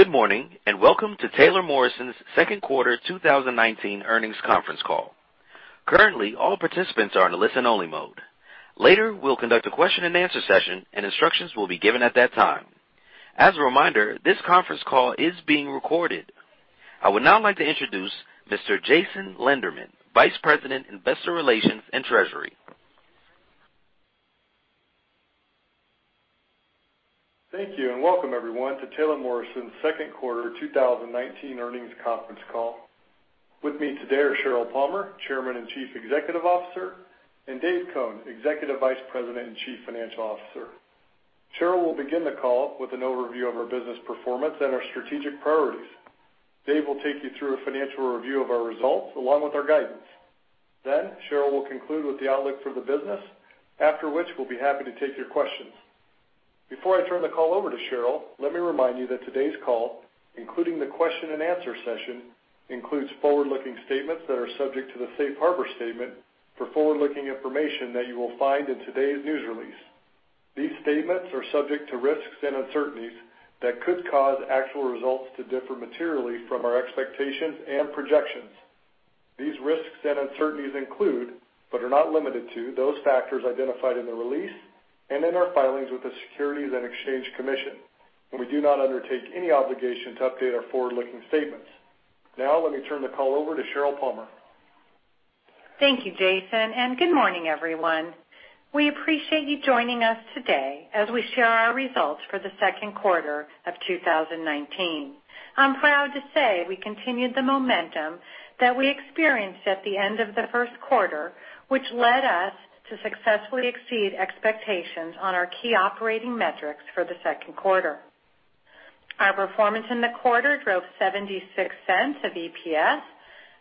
Good morning and welcome to Taylor Morrison's second quarter 2019 earnings conference call. Currently, all participants are in a listen-only mode. Later, we'll conduct a question-and-answer session, and instructions will be given at that time. As a reminder, this conference call is being recorded. I would now like to introduce Mr. Jason Lenderman, Vice President, Investor Relations and Treasury. Thank you and welcome everyone to Taylor Morrison's second quarter 2019 earnings conference call. With me today are Sheryl Palmer, Chairman and Chief Executive Officer, and Dave Cone, Executive Vice President and Chief Financial Officer. Sheryl will begin the call with an overview of our business performance and our strategic priorities. Dave will take you through a financial review of our results along with our guidance. Then, Sheryl will conclude with the outlook for the business, after which we'll be happy to take your questions. Before I turn the call over to Sheryl, let me remind you that today's call, including the question-and-answer session, includes forward-looking statements that are subject to the Safe Harbor Statement for forward-looking information that you will find in today's news release. These statements are subject to risks and uncertainties that could cause actual results to differ materially from our expectations and projections. These risks and uncertainties include, but are not limited to, those factors identified in the release and in our filings with the Securities and Exchange Commission. We do not undertake any obligation to update our forward-looking statements. Now, let me turn the call over to Sheryl Palmer. Thank you, Jason, and good morning everyone. We appreciate you joining us today as we share our results for the second quarter of 2019. I'm proud to say we continued the momentum that we experienced at the end of the first quarter, which led us to successfully exceed expectations on our key operating metrics for the second quarter. Our performance in the quarter drove $0.76 of EPS,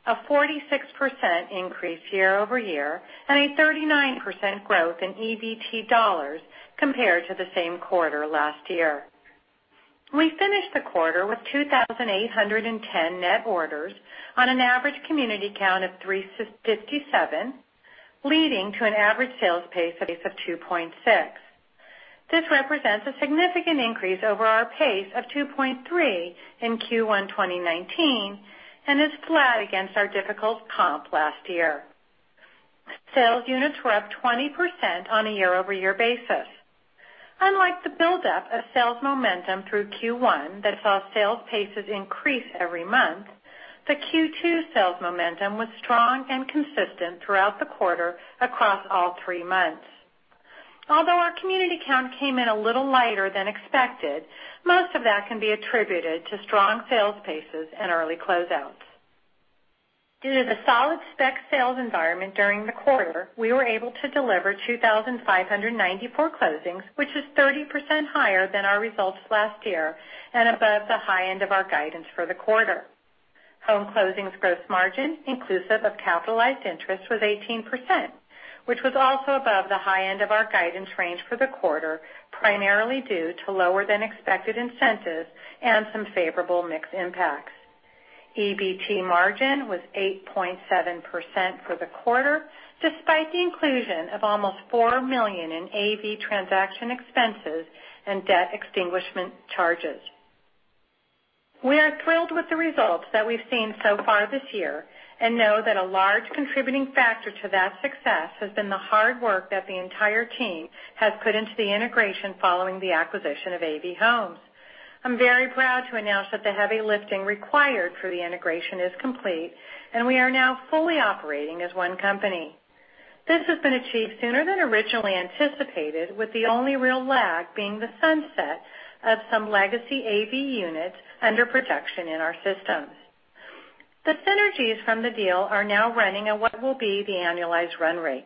a 46% increase year-over-year, and a 39% growth in EBT dollars compared to the same quarter last year. We finished the quarter with 2,810 net orders on an average community count of 357, leading to an average sales pace of 2.6. This represents a significant increase over our pace of 2.3 in Q1 2019 and is flat against our difficult comp last year. Sales units were up 20% on a year-over-year basis. Unlike the buildup of sales momentum through Q1 that saw sales paces increase every month, the Q2 sales momentum was strong and consistent throughout the quarter across all three months. Although our community count came in a little lighter than expected, most of that can be attributed to strong sales paces and early closeouts. Due to the solid spec sales environment during the quarter, we were able to deliver 2,594 closings, which is 30% higher than our results last year and above the high end of our guidance for the quarter. Home closings gross margin, inclusive of capitalized interest, was 18%, which was also above the high end of our guidance range for the quarter, primarily due to lower-than-expected incentives and some favorable mix impacts. EBT margin was 8.7% for the quarter, despite the inclusion of almost $4 million in AV transaction expenses and debt extinguishment charges. We are thrilled with the results that we've seen so far this year and know that a large contributing factor to that success has been the hard work that the entire team has put into the integration following the acquisition of AV Homes. I'm very proud to announce that the heavy lifting required for the integration is complete, and we are now fully operating as one company. This has been achieved sooner than originally anticipated, with the only real lag being the sunset of some legacy AV units under production in our systems. The synergies from the deal are now running at what will be the annualized run rate.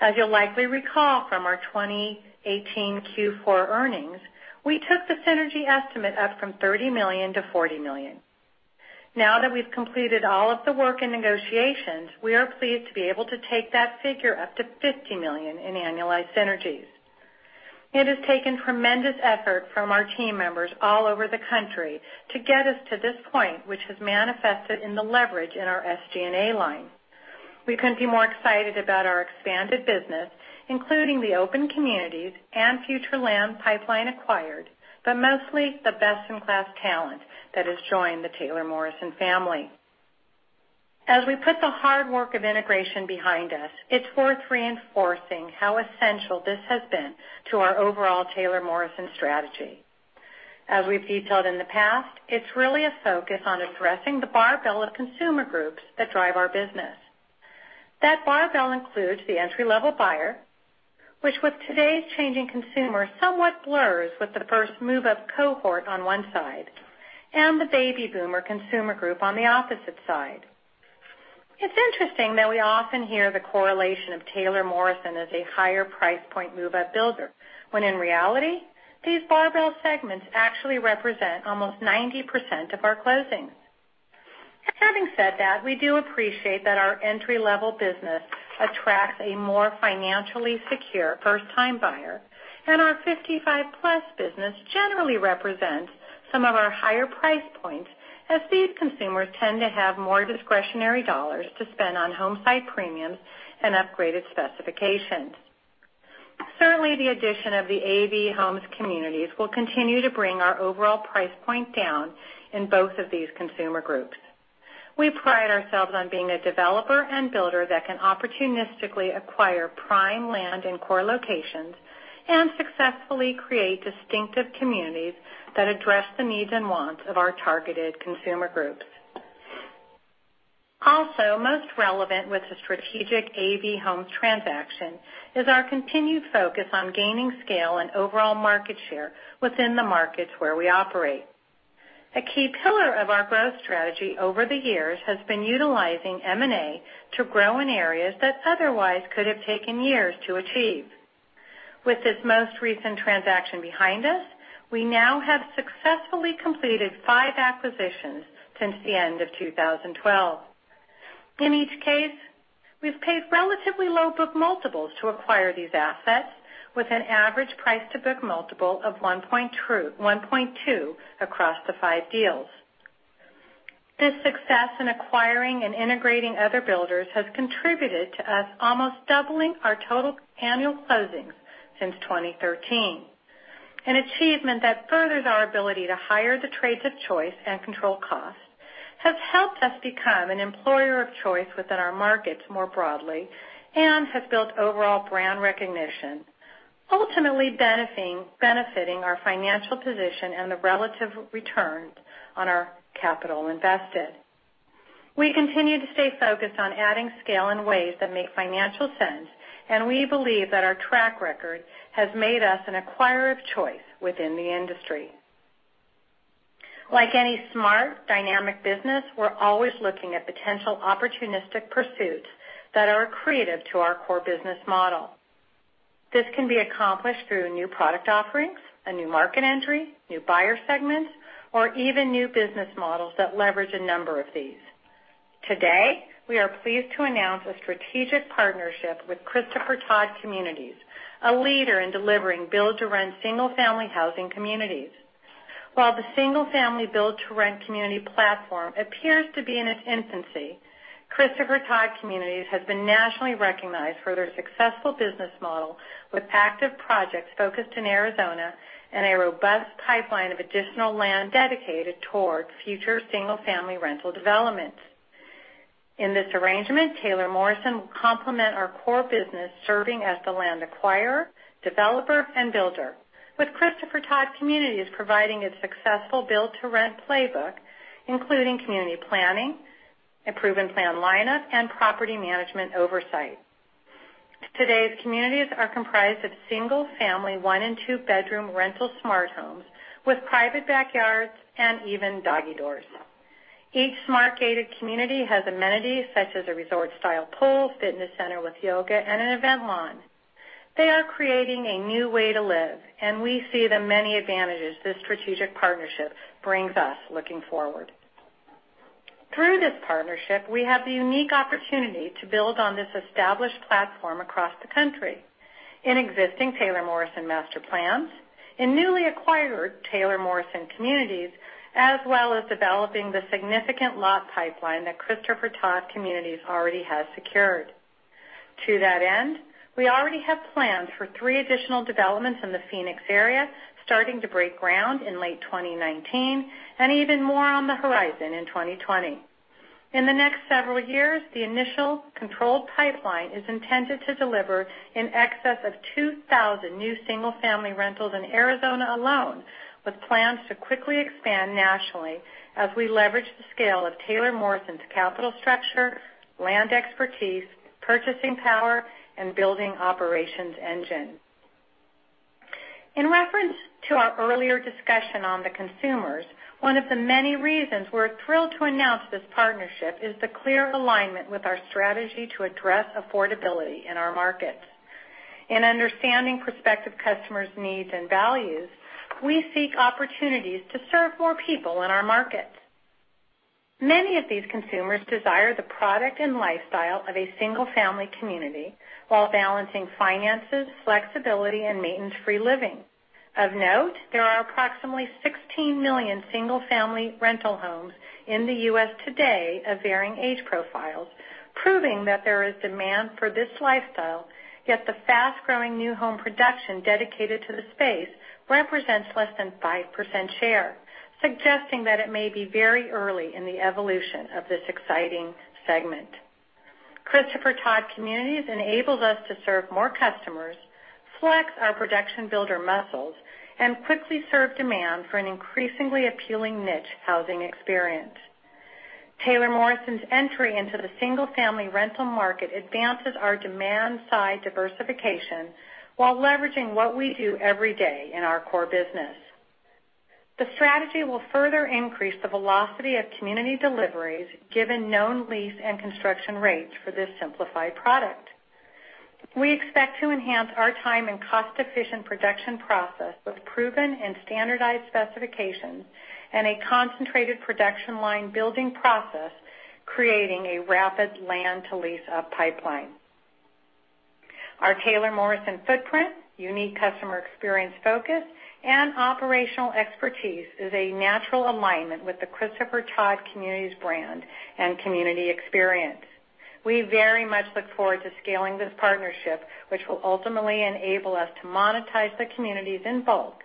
As you'll likely recall from our 2018 Q4 earnings, we took the synergy estimate up from $30 million to $40 million. Now that we've completed all of the work and negotiations, we are pleased to be able to take that figure up to $50 million in annualized synergies. It has taken tremendous effort from our team members all over the country to get us to this point, which has manifested in the leverage in our SG&A line. We couldn't be more excited about our expanded business, including the open communities and future land pipeline acquired, but mostly the best-in-class talent that has joined the Taylor Morrison family. As we put the hard work of integration behind us, it's worth reinforcing how essential this has been to our overall Taylor Morrison strategy. As we've detailed in the past, it's really a focus on addressing the barbell of consumer groups that drive our business. That barbell includes the entry-level buyer, which with today's changing consumer somewhat blurs with the first move-up cohort on one side, and the baby boomer consumer group on the opposite side. It's interesting that we often hear the correlation of Taylor Morrison as a higher price point move-up builder, when in reality, these barbell segments actually represent almost 90% of our closings. Having said that, we do appreciate that our entry-level business attracts a more financially secure first-time buyer, and our 55-plus business generally represents some of our higher price points as these consumers tend to have more discretionary dollars to spend on home site premiums and upgraded specifications. Certainly, the addition of the AV Homes communities will continue to bring our overall price point down in both of these consumer groups. We pride ourselves on being a developer and builder that can opportunistically acquire prime land in core locations and successfully create distinctive communities that address the needs and wants of our targeted consumer groups. Also, most relevant with the strategic AV Homes transaction is our continued focus on gaining scale and overall market share within the markets where we operate. A key pillar of our growth strategy over the years has been utilizing M&A to grow in areas that otherwise could have taken years to achieve. With this most recent transaction behind us, we now have successfully completed five acquisitions since the end of 2012. In each case, we've paid relatively low book multiples to acquire these assets, with an average price to book multiple of 1.2 across the five deals. This success in acquiring and integrating other builders has contributed to us almost doubling our total annual closings since 2013. An achievement that furthers our ability to hire the trades of choice and control cost has helped us become an employer of choice within our markets more broadly and has built overall brand recognition, ultimately benefiting our financial position and the relative returns on our capital invested. We continue to stay focused on adding scale in ways that make financial sense, and we believe that our track record has made us an acquirer of choice within the industry. Like any smart, dynamic business, we're always looking at potential opportunistic pursuits that are accretive to our core business model. This can be accomplished through new product offerings, a new market entry, new buyer segments, or even new business models that leverage a number of these. Today, we are pleased to announce a strategic partnership with Christopher Todd Communities, a leader in delivering build-to-rent single-family housing communities. While the single-family build-to-rent community platform appears to be in its infancy, Christopher Todd Communities has been nationally recognized for their successful business model with active projects focused in Arizona and a robust pipeline of additional land dedicated toward future single-family rental developments. In this arrangement, Taylor Morrison will complement our core business serving as the land acquirer, developer, and builder, with Christopher Todd Communities providing its successful build-to-rent playbook, including community planning, improvement plan lineup, and property management oversight. Today's communities are comprised of single-family one- and two-bedroom rental smart homes with private backyards and even doggy doors. Each smart gated community has amenities such as a resort-style pool, fitness center with yoga, and an event lawn. They are creating a new way to live, and we see the many advantages this strategic partnership brings us looking forward. Through this partnership, we have the unique opportunity to build on this established platform across the country in existing Taylor Morrison master plans, in newly acquired Taylor Morrison communities, as well as developing the significant lot pipeline that Christopher Todd Communities already has secured. To that end, we already have plans for three additional developments in the Phoenix area starting to break ground in late 2019 and even more on the horizon in 2020. In the next several years, the initial controlled pipeline is intended to deliver an excess of 2,000 new single-family rentals in Arizona alone, with plans to quickly expand nationally as we leverage the scale of Taylor Morrison's capital structure, land expertise, purchasing power, and building operations engine. In reference to our earlier discussion on the consumers, one of the many reasons we're thrilled to announce this partnership is the clear alignment with our strategy to address affordability in our markets. In understanding prospective customers' needs and values, we seek opportunities to serve more people in our markets. Many of these consumers desire the product and lifestyle of a single-family community while balancing finances, flexibility, and maintenance-free living. Of note, there are approximately 16 million single-family rental homes in the U.S. today of varying age profiles, proving that there is demand for this lifestyle, yet the fast-growing new home production dedicated to the space represents less than 5% share, suggesting that it may be very early in the evolution of this exciting segment. Christopher Todd Communities enables us to serve more customers, flex our production builder muscles, and quickly serve demand for an increasingly appealing niche housing experience. Taylor Morrison's entry into the single-family rental market advances our demand-side diversification while leveraging what we do every day in our core business. The strategy will further increase the velocity of community deliveries given known lease and construction rates for this simplified product. We expect to enhance our time and cost-efficient production process with proven and standardized specifications and a concentrated production line building process, creating a rapid land-to-lease-up pipeline. Our Taylor Morrison footprint, unique customer experience focus, and operational expertise is a natural alignment with the Christopher Todd Communities brand and community experience. We very much look forward to scaling this partnership, which will ultimately enable us to monetize the communities in bulk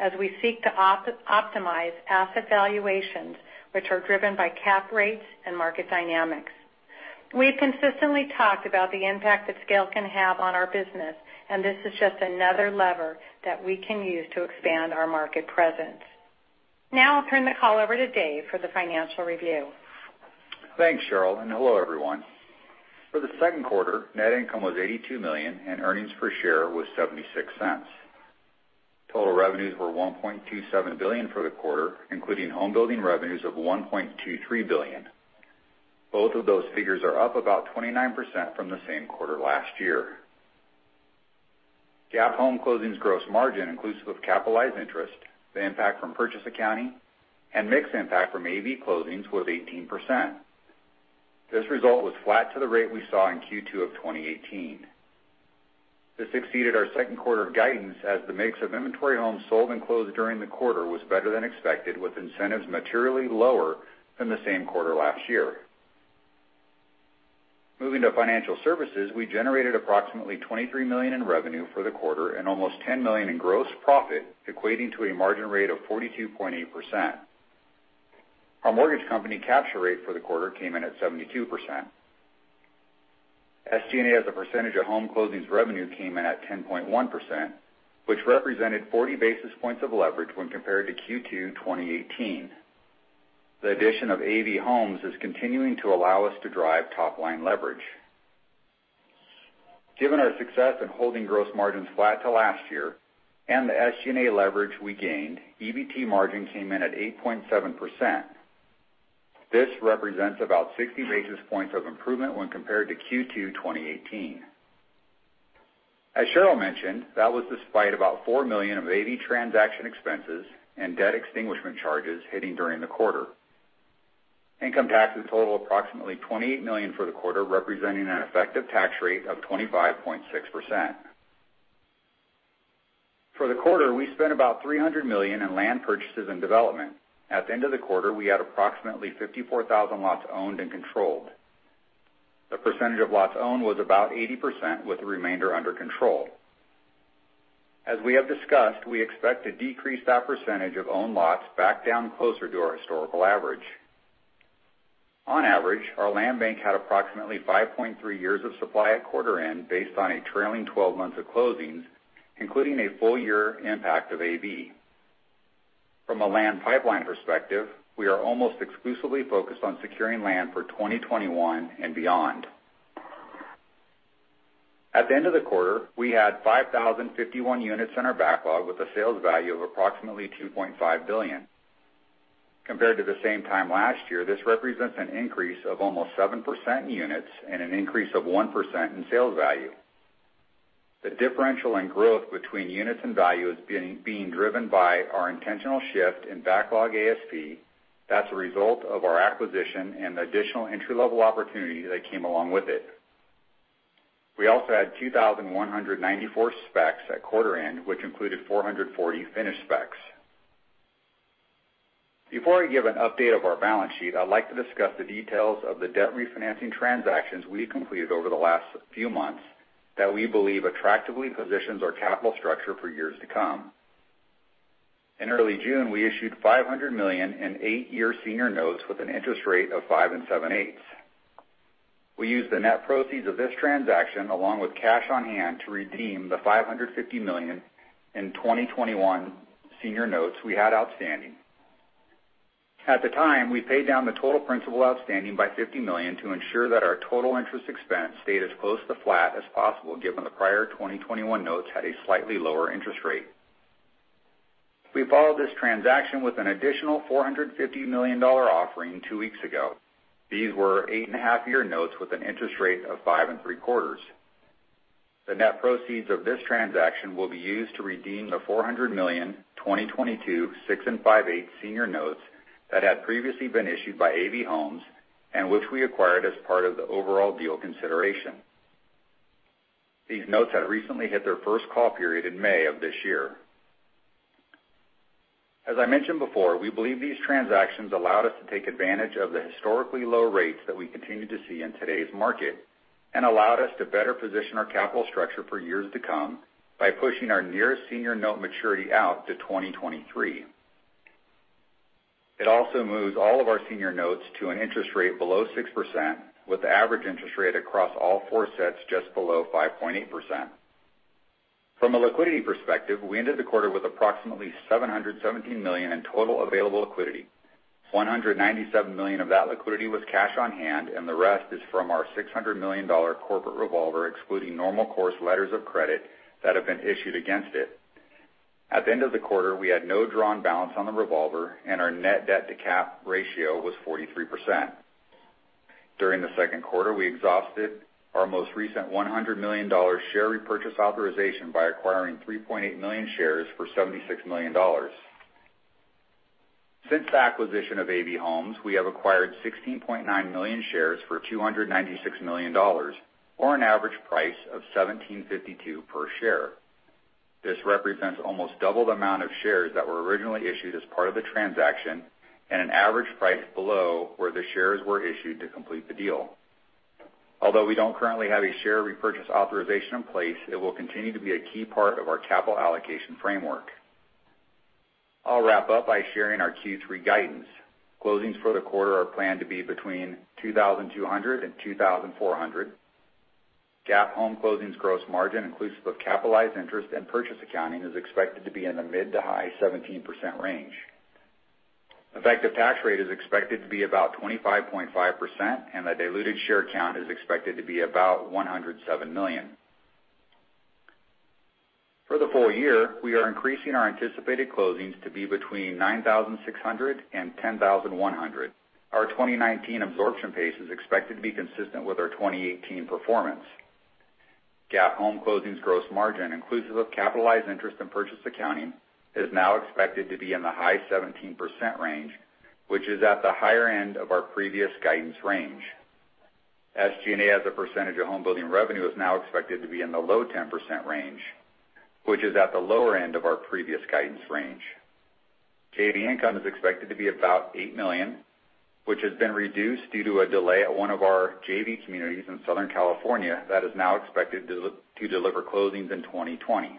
as we seek to optimize asset valuations, which are driven by cap rates and market dynamics. We've consistently talked about the impact that scale can have on our business, and this is just another lever that we can use to expand our market presence. Now I'll turn the call over to Dave for the financial review. Thanks, Sheryl, and hello everyone. For the second quarter, net income was $82 million and earnings per share was $0.76. Total revenues were $1.27 billion for the quarter, including home building revenues of $1.23 billion. Both of those figures are up about 29% from the same quarter last year. GAAP home closings gross margin, inclusive of capitalized interest, the impact from purchase accounting, and mix impact from AV closings was 18%. This result was flat to the rate we saw in Q2 of 2018. This exceeded our second quarter guidance as the mix of inventory homes sold and closed during the quarter was better than expected, with incentives materially lower than the same quarter last year. Moving to financial services, we generated approximately $23 million in revenue for the quarter and almost $10 million in gross profit, equating to a margin rate of 42.8%. Our mortgage company capture rate for the quarter came in at 72%. SG&A as a percentage of home closings revenue came in at 10.1%, which represented 40 basis points of leverage when compared to Q2 2018. The addition of AV Homes is continuing to allow us to drive top-line leverage. Given our success in holding gross margins flat to last year and the SG&A leverage we gained, EBT margin came in at 8.7%. This represents about 60 basis points of improvement when compared to Q2 2018. As Sheryl mentioned, that was despite about $4 million of AV transaction expenses and debt extinguishment charges hitting during the quarter. Income tax totaled approximately $28 million for the quarter, representing an effective tax rate of 25.6%. For the quarter, we spent about $300 million in land purchases and development. At the end of the quarter, we had approximately 54,000 lots owned and controlled. The percentage of lots owned was about 80%, with the remainder under control. As we have discussed, we expect to decrease that percentage of owned lots back down closer to our historical average. On average, our land bank had approximately 5.3 years of supply at quarter end based on a trailing 12 months of closings, including a full-year impact of AV. From a land pipeline perspective, we are almost exclusively focused on securing land for 2021 and beyond. At the end of the quarter, we had 5,051 units in our backlog with a sales value of approximately $2.5 billion. Compared to the same time last year, this represents an increase of almost 7% in units and an increase of 1% in sales value. The differential in growth between units and value is being driven by our intentional shift in backlog ASP that's a result of our acquisition and the additional entry-level opportunity that came along with it. We also had 2,194 specs at quarter end, which included 440 finished specs. Before I give an update of our balance sheet, I'd like to discuss the details of the debt refinancing transactions we've completed over the last few months that we believe attractively positions our capital structure for years to come. In early June, we issued $500 million in eight-year senior notes with an interest rate of 5.78%. We used the net proceeds of this transaction along with cash on hand to redeem the $550 million in 2021 senior notes we had outstanding. At the time, we paid down the total principal outstanding by $50 million to ensure that our total interest expense stayed as close to flat as possible given the prior 2021 notes had a slightly lower interest rate. We followed this transaction with an additional $450 million offering two weeks ago. These were eight-and-a-half-year notes with an interest rate of 5.75%. The net proceeds of this transaction will be used to redeem the $400 million 2022 6.58% senior notes that had previously been issued by AV Homes and which we acquired as part of the overall deal consideration. These notes had recently hit their first call period in May of this year. As I mentioned before, we believe these transactions allowed us to take advantage of the historically low rates that we continue to see in today's market and allowed us to better position our capital structure for years to come by pushing our nearest senior note maturity out to 2023. It also moves all of our senior notes to an interest rate below 6%, with the average interest rate across all four sets just below 5.8%. From a liquidity perspective, we ended the quarter with approximately $717 million in total available liquidity. $197 million of that liquidity was cash on hand, and the rest is from our $600 million corporate revolver, excluding normal course letters of credit that have been issued against it. At the end of the quarter, we had no drawn balance on the revolver, and our net debt-to-capital ratio was 43%. During the second quarter, we exhausted our most recent $100 million share repurchase authorization by acquiring 3.8 million shares for $76 million. Since the acquisition of AV Homes, we have acquired 16.9 million shares for $296 million, or an average price of $17.52 per share. This represents almost double the amount of shares that were originally issued as part of the transaction and an average price below where the shares were issued to complete the deal. Although we don't currently have a share repurchase authorization in place, it will continue to be a key part of our capital allocation framework. I'll wrap up by sharing our Q3 guidance. Closings for the quarter are planned to be between 2,200 and 2,400. GAAP home closings gross margin, inclusive of capitalized interest and purchase accounting, is expected to be in the mid to high 17% range. Effective tax rate is expected to be about 25.5%, and the diluted share count is expected to be about 107 million. For the full year, we are increasing our anticipated closings to be between 9,600 and 10,100. Our 2019 absorption pace is expected to be consistent with our 2018 performance. GAAP home closings gross margin, inclusive of capitalized interest and purchase accounting, is now expected to be in the high 17% range, which is at the higher end of our previous guidance range. SG&A as a percentage of home building revenue that is now expected to be in the low 10% range, which is at the lower end of our previous guidance range. JV income is expected to be about 8 million, which has been reduced due to a delay at one of our JV communities in Southern California that is now expected to deliver closings in 2020.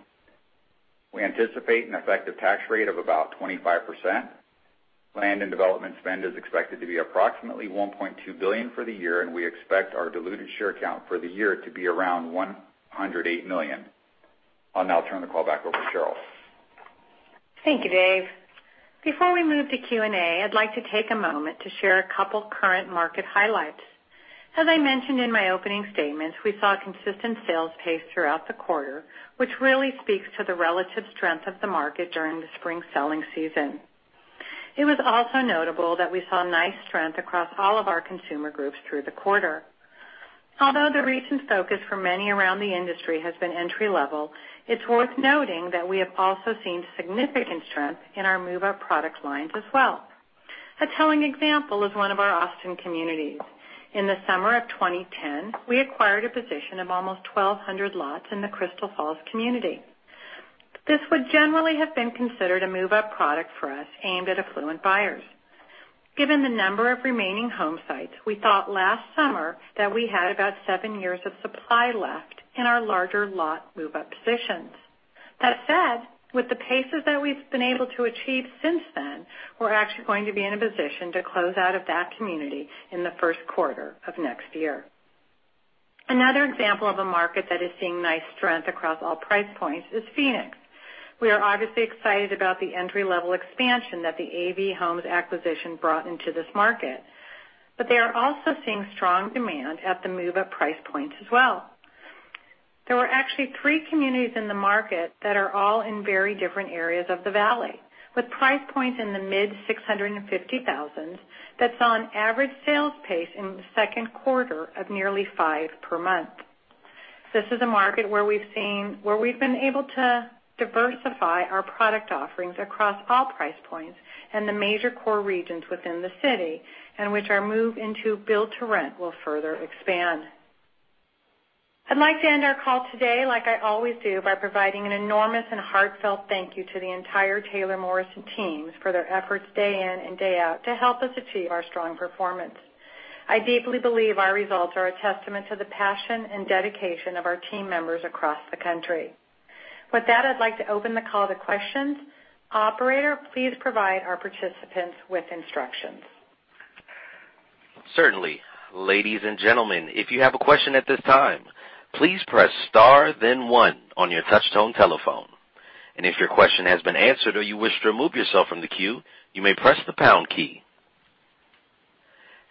We anticipate an effective tax rate of about 25%. Land and development spend is expected to be approximately $1.2 billion for the year, and we expect our diluted share count for the year to be around 108 million. I'll now turn the call back over to Sheryl. Thank you, Dave. Before we move to Q&A, I'd like to take a moment to share a couple of current market highlights. As I mentioned in my opening statements, we saw a consistent sales pace throughout the quarter, which really speaks to the relative strength of the market during the spring selling season. It was also notable that we saw nice strength across all of our consumer groups through the quarter. Although the recent focus for many around the industry has been entry-level, it's worth noting that we have also seen significant strength in our move-up product lines as well. A telling example is one of our Austin communities. In the summer of 2010, we acquired a position of almost 1,200 lots in the Crystal Falls community. This would generally have been considered a move-up product for us aimed at affluent buyers. Given the number of remaining home sites, we thought last summer that we had about seven years of supply left in our larger lot move-up positions. That said, with the paces that we've been able to achieve since then, we're actually going to be in a position to close out of that community in the first quarter of next year. Another example of a market that is seeing nice strength across all price points is Phoenix. We are obviously excited about the entry-level expansion that the AV Homes acquisition brought into this market, but they are also seeing strong demand at the move-up price points as well. There were actually three communities in the market that are all in very different areas of the valley, with price points in the mid-$650,000s that saw an average sales pace in the second quarter of nearly five per month. This is a market where we've been able to diversify our product offerings across all price points and the major core regions within the city, and which our move into build-to-rent will further expand. I'd like to end our call today, like I always do, by providing an enormous and heartfelt thank you to the entire Taylor Morrison team for their efforts day in and day out to help us achieve our strong performance. I deeply believe our results are a testament to the passion and dedication of our team members across the country. With that, I'd like to open the call to questions. Operator, please provide our participants with instructions. Certainly. Ladies and gentlemen, if you have a question at this time, please press star, then one on your touch-tone telephone. And if your question has been answered or you wish to remove yourself from the queue, you may press the pound key.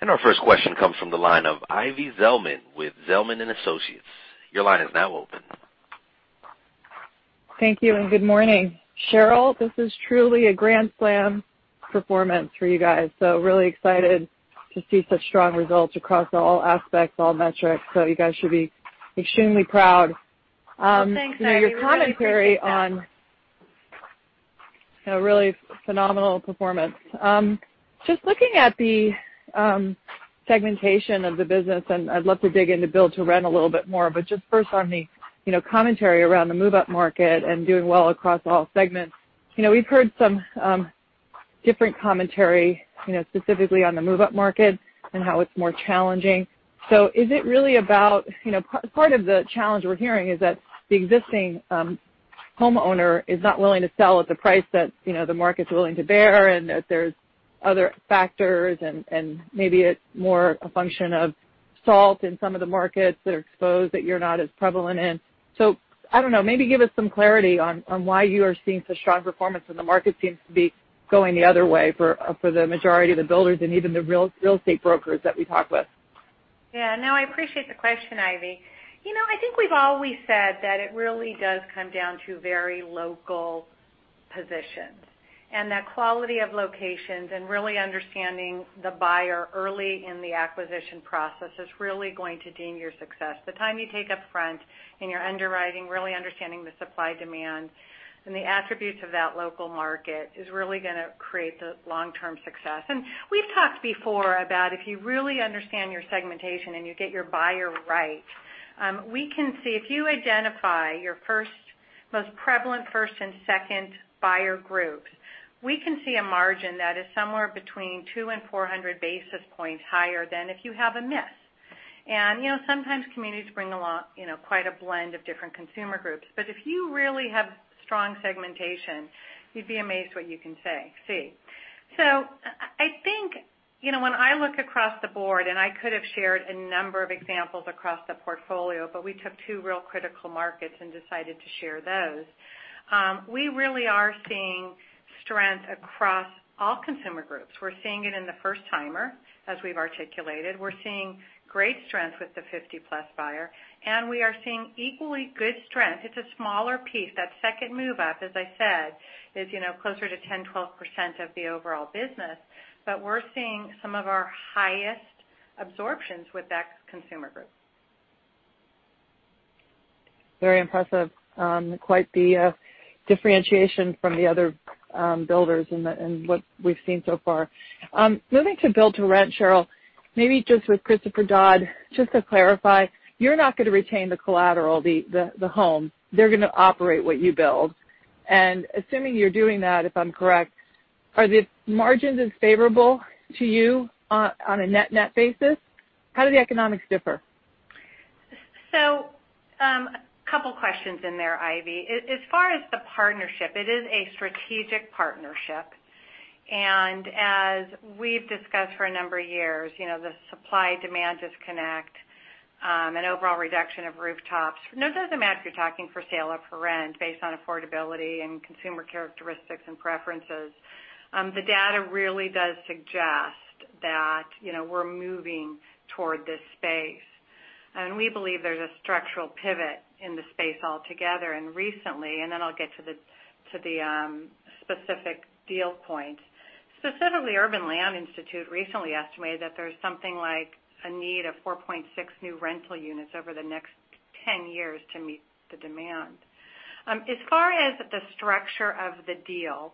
And our first question comes from the line of Ivy Zelman with Zelman & Associates. Your line is now open. Thank you and good morning. Sheryl, this is truly a grand slam performance for you guys. So really excited to see such strong results across all aspects, all metrics. So you guys should be extremely proud. Thanks, Ivy Zelman. Your commentary on really phenomenal performance. Just looking at the segmentation of the business, and I'd love to dig into build-to-rent a little bit more, but just first on the commentary around the move-up market and doing well across all segments. We've heard some different commentary, specifically on the move-up market and how it's more challenging. So is it really about part of the challenge we're hearing is that the existing homeowner is not willing to sell at the price that the market's willing to bear and that there's other factors and maybe it's more a function of sales in some of the markets that are exposed that you're not as prevalent in? So I don't know, maybe give us some clarity on why you are seeing such strong performance and the market seems to be going the other way for the majority of the builders and even the real estate brokers that we talk with. Yeah. No, I appreciate the question, Ivy. I think we've always said that it really does come down to very local positions and that quality of locations and really understanding the buyer early in the acquisition process is really going to deem your success. The time you take upfront in your underwriting, really understanding the supply demand and the attributes of that local market is really going to create the long-term success. And we've talked before about if you really understand your segmentation and you get your buyer right, we can see if you identify your most prevalent first and second buyer groups, we can see a margin that is somewhere between two and 400 basis points higher than if you have a miss. And sometimes communities bring along quite a blend of different consumer groups, but if you really have strong segmentation, you'd be amazed what you can see. So I think when I look across the board, and I could have shared a number of examples across the portfolio, but we took two real critical markets and decided to share those. We really are seeing strength across all consumer groups. We're seeing it in the first-timer, as we've articulated. We're seeing great strength with the 50+ buyer, and we are seeing equally good strength. It's a smaller piece. That second move-up, as I said, is closer to 10%-12% of the overall business, but we're seeing some of our highest absorptions with that consumer group. Very impressive. Quite the differentiation from the other builders and what we've seen so far. Moving to build-to-rent, Sheryl, maybe just with Christopher Todd, just to clarify, you're not going to retain the collateral, the home. They're going to operate what you build. And assuming you're doing that, if I'm correct, are the margins favorable to you on a net-net basis? How do the economics differ? A couple of questions in there, Ivy. As far as the partnership, it is a strategic partnership. We've discussed for a number of years the supply-demand disconnect and overall reduction of rooftops. It doesn't matter if you're talking for sale or for rent based on affordability and consumer characteristics and preferences. The data really does suggest that we're moving toward this space. We believe there's a structural pivot in the space altogether and recently, and then I'll get to the specific deal points. Specifically, Urban Land Institute recently estimated that there's something like a need of 4.6 new rental units over the next 10 years to meet the demand. As far as the structure of the deal,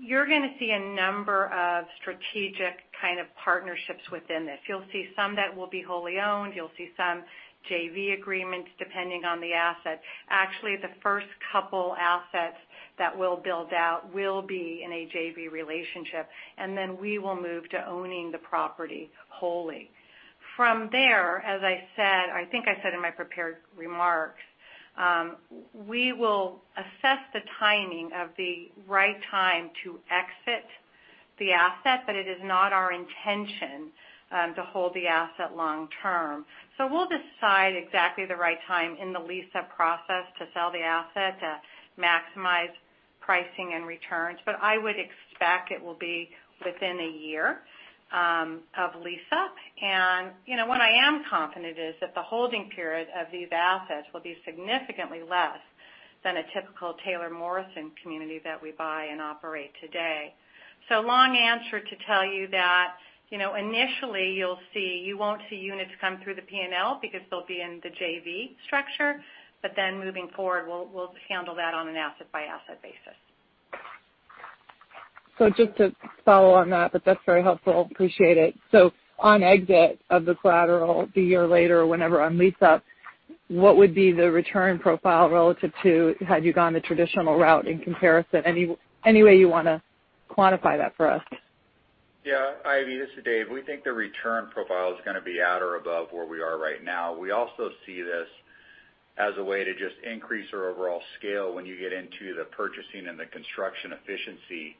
you're going to see a number of strategic kind of partnerships within this. You'll see some that will be wholly owned. You'll see some JV agreements depending on the asset. Actually, the first couple of assets that will build out will be in a JV relationship, and then we will move to owning the property wholly. From there, as I said, I think I said in my prepared remarks, we will assess the timing of the right time to exit the asset, but it is not our intention to hold the asset long-term. So we'll decide exactly the right time in the lease-up process to sell the asset to maximize pricing and returns, but I would expect it will be within a year of lease-up, and what I am confident is that the holding period of these assets will be significantly less than a typical Taylor Morrison community that we buy and operate today. So long answer to tell you that initially you won't see units come through the P&L because they'll be in the JV structure, but then moving forward, we'll handle that on an asset-by-asset basis. So just to follow on that, but that's very helpful. Appreciate it. So on exit of the collateral, the year later or whenever on lease-up, what would be the return profile relative to had you gone the traditional route in comparison? Any way you want to quantify that for us? Yeah. Ivy, this is Dave. We think the return profile is going to be at or above where we are right now. We also see this as a way to just increase our overall scale when you get into the purchasing and the construction efficiency.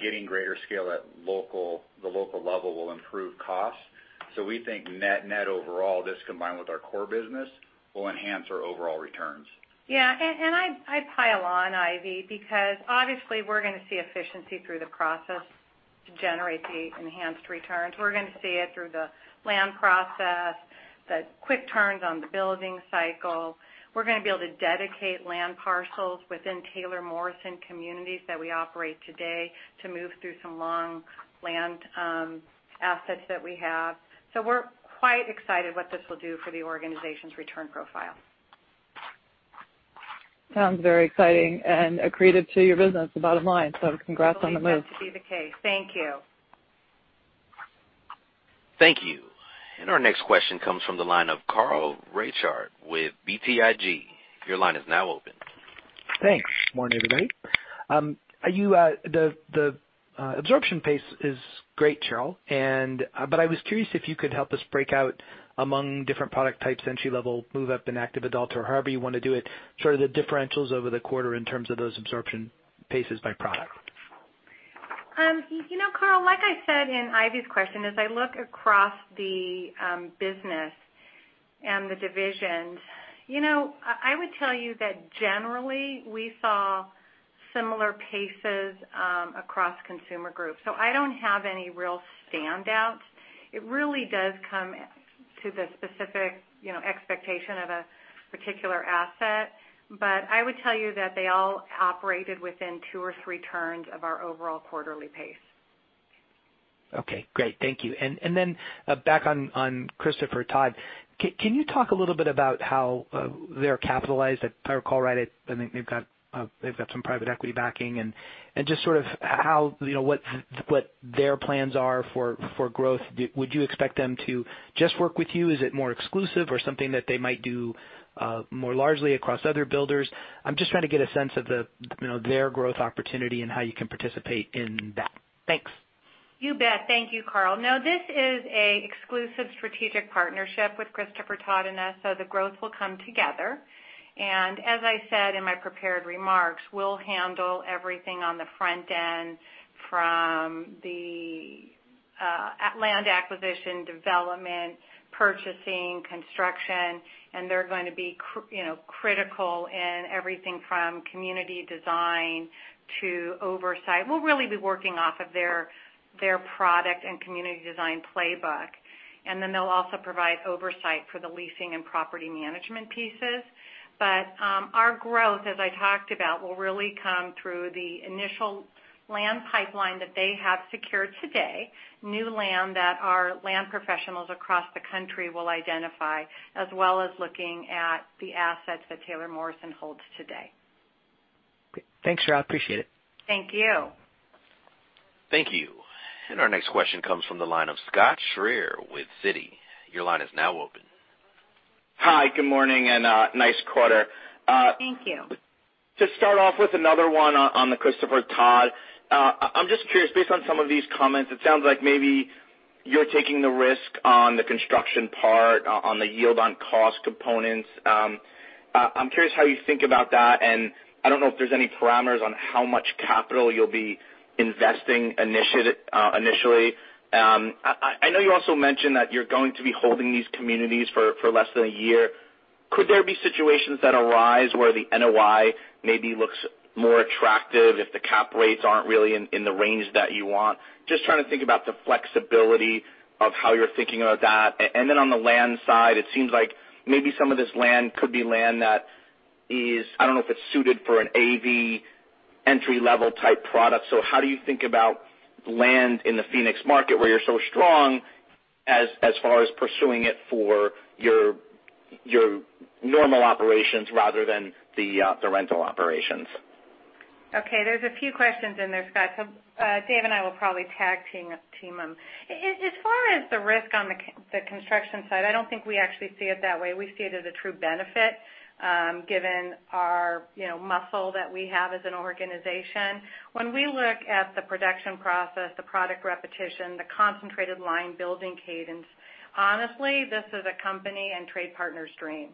Getting greater scale at the local level will improve costs. So we think net-net overall, this combined with our core business will enhance our overall returns. Yeah. I pile on, Ivy, because obviously we're going to see efficiency through the process to generate the enhanced returns. We're going to see it through the land process, the quick turns on the building cycle. We're going to be able to dedicate land parcels within Taylor Morrison communities that we operate today to move through some long land assets that we have. So we're quite excited what this will do for the organization's return profile. Sounds very exciting and accretive to your business, the bottom line. So congrats on the move. I hope that to be the case. Thank you. Thank you. And our next question comes from the line of Carl Reichardt with BTIG. Your line is now open. Thanks. Good morning, everybody. The absorption pace is great, Sheryl, but I was curious if you could help us break out among different product types, entry-level, move-up, active adult, or however you want to do it, sort of the differentials over the quarter in terms of those absorption paces by product. You know, Carl, like I said in Ivy's question, as I look across the business and the divisions, I would tell you that generally we saw similar paces across consumer groups. So I don't have any real standouts. It really does come to the specific expectation of a particular asset, but I would tell you that they all operated within two or three turns of our overall quarterly pace. Okay. Great. Thank you. And then back on Christopher Todd, can you talk a little bit about how they're capitalized? I recall, right, I think they've got some private equity backing and just sort of what their plans are for growth. Would you expect them to just work with you? Is it more exclusive or something that they might do more largely across other builders? I'm just trying to get a sense of their growth opportunity and how you can participate in that. Thanks. You bet. Thank you, Carl. No, this is an exclusive strategic partnership with Christopher Todd and us, so the growth will come together. And as I said in my prepared remarks, we'll handle everything on the front end from the land acquisition, development, purchasing, construction, and they're going to be critical in everything from community design to oversight. We'll really be working off of their product and community design playbook. And then they'll also provide oversight for the leasing and property management pieces. But our growth, as I talked about, will really come through the initial land pipeline that they have secured today, new land that our land professionals across the country will identify, as well as looking at the assets that Taylor Morrison holds today. Thanks, Sheryl. I appreciate it. Thank you. Thank you. And our next question comes from the line of Scott Schrier with Citi. Your line is now open. Hi. Good morning and nice quarter. Thank you. To start off with another one on the Christopher Todd, I'm just curious, based on some of these comments, it sounds like maybe you're taking the risk on the construction part, on the yield-on-cost components. I'm curious how you think about that, and I don't know if there's any parameters on how much capital you'll be investing initially. I know you also mentioned that you're going to be holding these communities for less than a year. Could there be situations that arise where the NOI maybe looks more attractive if the cap rates aren't really in the range that you want? Just trying to think about the flexibility of how you're thinking about that. And then on the land side, it seems like maybe some of this land could be land that is, I don't know if it's suited for an AV entry-level type product. How do you think about land in the Phoenix market where you're so strong as far as pursuing it for your normal operations rather than the rental operations? Okay. There's a few questions in there, Scott. Dave and I will probably tag team them. As far as the risk on the construction side, I don't think we actually see it that way. We see it as a true benefit given our muscle that we have as an organization. When we look at the production process, the product repetition, the concentrated line building cadence, honestly, this is a company and trade partner's dream.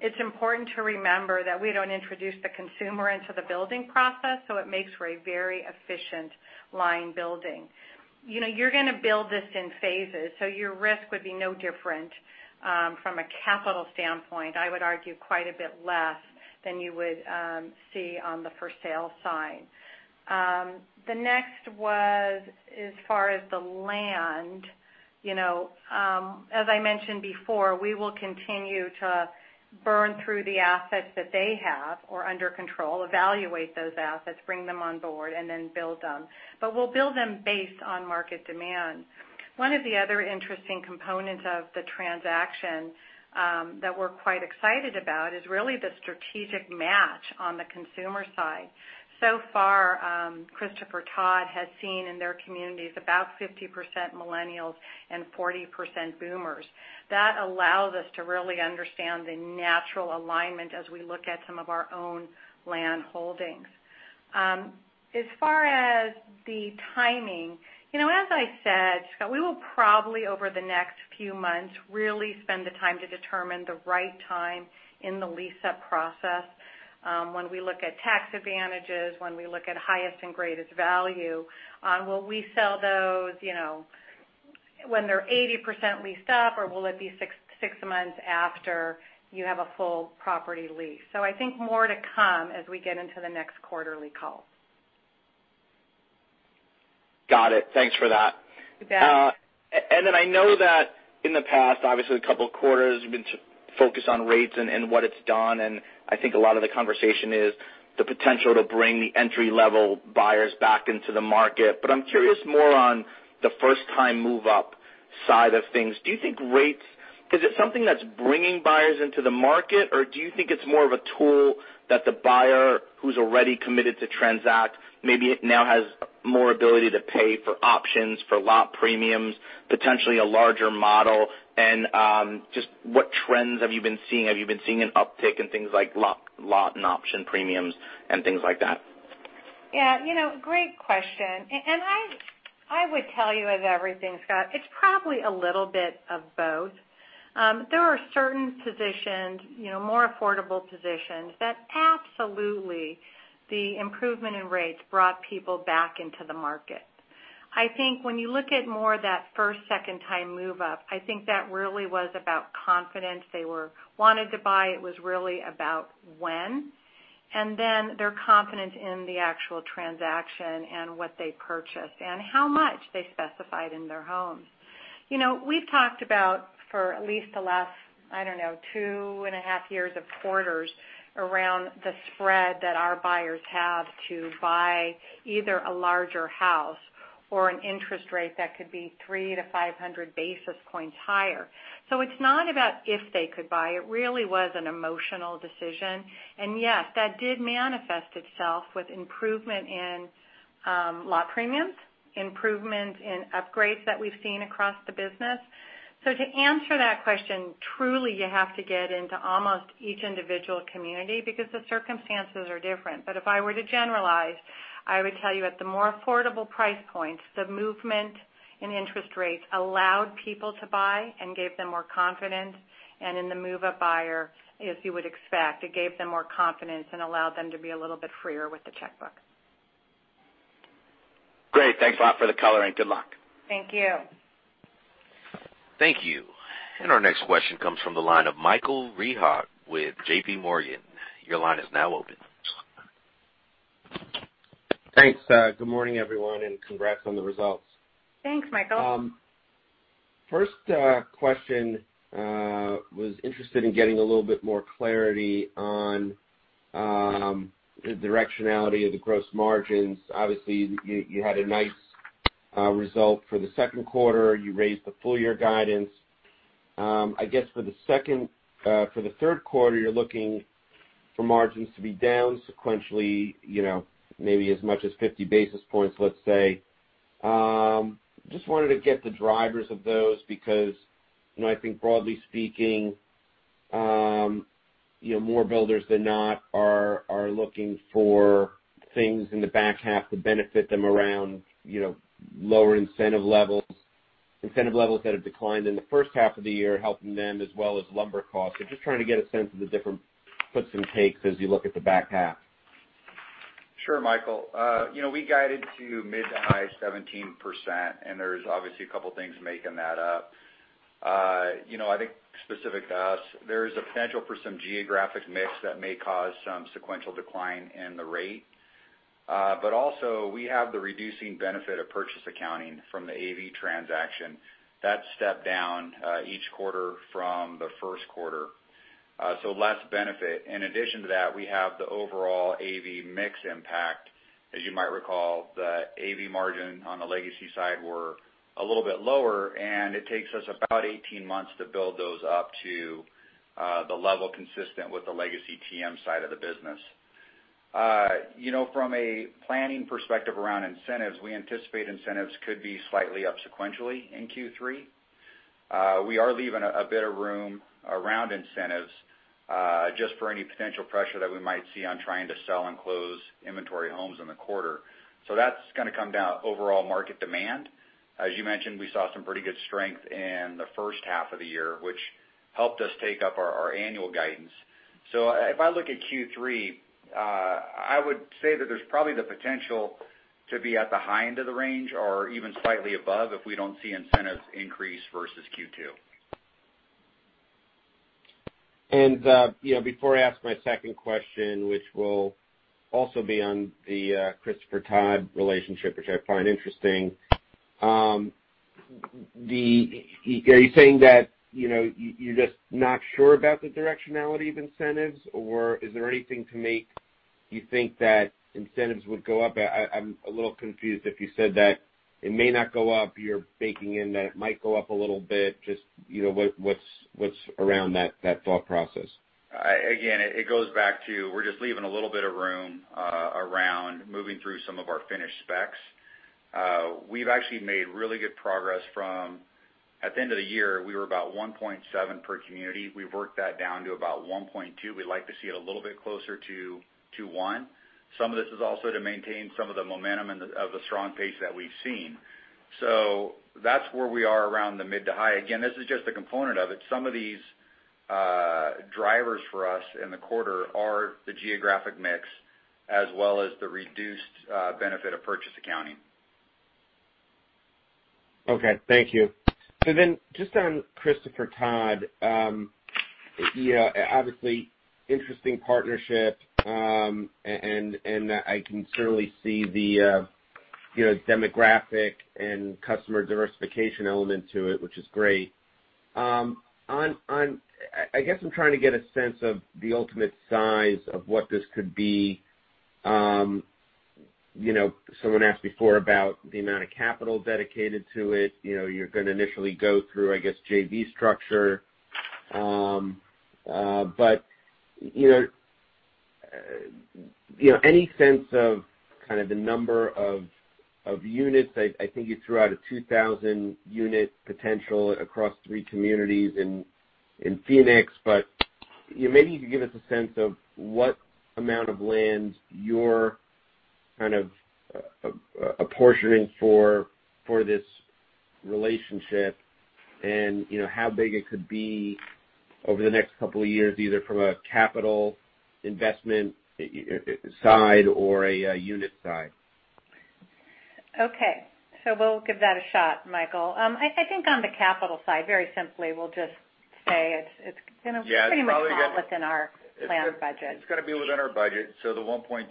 It's important to remember that we don't introduce the consumer into the building process, so it makes for a very efficient line building. You're going to build this in phases, so your risk would be no different from a capital standpoint. I would argue quite a bit less than you would see on the for-sale side. The next was as far as the land. As I mentioned before, we will continue to burn through the assets that they have or under control, evaluate those assets, bring them on board, and then build them. But we'll build them based on market demand. One of the other interesting components of the transaction that we're quite excited about is really the strategic match on the consumer side. So far, Christopher Todd has seen in their communities about 50% millennials and 40% boomers. That allows us to really understand the natural alignment as we look at some of our own land holdings. As far as the timing, as I said, Scott, we will probably over the next few months really spend the time to determine the right time in the lease-up process when we look at tax advantages, when we look at highest and greatest value. Will we sell those when they're 80% leased up, or will it be six months after you have a full property lease? So I think more to come as we get into the next quarterly call. Got it. Thanks for that. You bet. And then I know that in the past, obviously, a couple of quarters, we've been focused on rates and what it's done, and I think a lot of the conversation is the potential to bring the entry-level buyers back into the market. But I'm curious more on the first-time move-up side of things. Do you think rates, is it something that's bringing buyers into the market, or do you think it's more of a tool that the buyer who's already committed to transact maybe now has more ability to pay for options, for lot premiums, potentially a larger model? And just what trends have you been seeing? Have you been seeing an uptick in things like lot and option premiums and things like that? Yeah. Great question. And I would tell you of everything, Scott, it's probably a little bit of both. There are certain positions, more affordable positions, that absolutely the improvement in rates brought people back into the market. I think when you look at more of that first, second-time move-up, I think that really was about confidence. They wanted to buy. It was really about when. And then their confidence in the actual transaction and what they purchased and how much they specified in their homes. We've talked about for at least the last, I don't know, two and a half years of quarters around the spread that our buyers have to buy either a larger house or an interest rate that could be three to five hundred basis points higher. So it's not about if they could buy. It was really an emotional decision. And yes, that did manifest itself with improvement in lot premiums, improvement in upgrades that we've seen across the business. So to answer that question, truly, you have to get into almost each individual community because the circumstances are different. But if I were to generalize, I would tell you at the more affordable price points, the movement in interest rates allowed people to buy and gave them more confidence. And in the move-up buyer, as you would expect, it gave them more confidence and allowed them to be a little bit freer with the checkbook. Great. Thanks a lot for the color. Good luck. Thank you. Thank you. And our next question comes from the line of Michael Rehaut with JPMorgan. Your line is now open. Thanks. Good morning, everyone, and congrats on the results. Thanks, Michael. First question was interested in getting a little bit more clarity on the directionality of the gross margins. Obviously, you had a nice result for the second quarter. You raised the full-year guidance. I guess for the third quarter, you're looking for margins to be down sequentially, maybe as much as 50 basis points, let's say. Just wanted to get the drivers of those because I think, broadly speaking, more builders than not are looking for things in the back half to benefit them around lower incentive levels, incentive levels that have declined in the first half of the year, helping them as well as lumber costs. So just trying to get a sense of the different puts and takes as you look at the back half. Sure, Michael. We guided to mid to high 17%, and there's obviously a couple of things making that up. I think specific to us, there is a potential for some geographic mix that may cause some sequential decline in the rate. But also, we have the reducing benefit of purchase accounting from the AV transaction. That stepped down each quarter from the first quarter, so less benefit. In addition to that, we have the overall AV mix impact. As you might recall, the AV margin on the legacy side were a little bit lower, and it takes us about 18 months to build those up to the level consistent with the legacy TM side of the business. From a planning perspective around incentives, we anticipate incentives could be slightly up sequentially in Q3. We are leaving a bit of room around incentives just for any potential pressure that we might see on trying to sell and close inventory homes in the quarter. So that's going to come down to overall market demand. As you mentioned, we saw some pretty good strength in the first half of the year, which helped us take up our annual guidance. So if I look at Q3, I would say that there's probably the potential to be at the high end of the range or even slightly above if we don't see incentives increase versus Q2. And before I ask my second question, which will also be on the Christopher Todd relationship, which I find interesting, are you saying that you're just not sure about the directionality of incentives, or is there anything to make you think that incentives would go up? I'm a little confused if you said that it may not go up. You're baking in that it might go up a little bit. Just what's around that thought process? Again, it goes back to, we're just leaving a little bit of room around moving through some of our finished specs. We've actually made really good progress from, at the end of the year, we were about 1.7 per community. We've worked that down to about 1.2. We'd like to see it a little bit closer to 2.1. Some of this is also to maintain some of the momentum of the strong pace that we've seen. So that's where we are around the mid to high. Again, this is just a component of it. Some of these drivers for us in the quarter are the geographic mix as well as the reduced benefit of purchase accounting. Okay. Thank you. So then just on Christopher Todd, obviously, interesting partnership, and I can certainly see the demographic and customer diversification element to it, which is great. I guess I'm trying to get a sense of the ultimate size of what this could be. Someone asked before about the amount of capital dedicated to it. You're going to initially go through, I guess, JV structure. But any sense of kind of the number of units? I think you threw out a 2,000-unit potential across three communities in Phoenix. But maybe you could give us a sense of what amount of land you're kind of apportioning for this relationship and how big it could be over the next couple of years, either from a capital investment side or a unit side? Okay. So we'll give that a shot, Michael. I think on the capital side, very simply, we'll just say it's going to be pretty much all within our planned budget. It's going to be within our budget, so the $1.2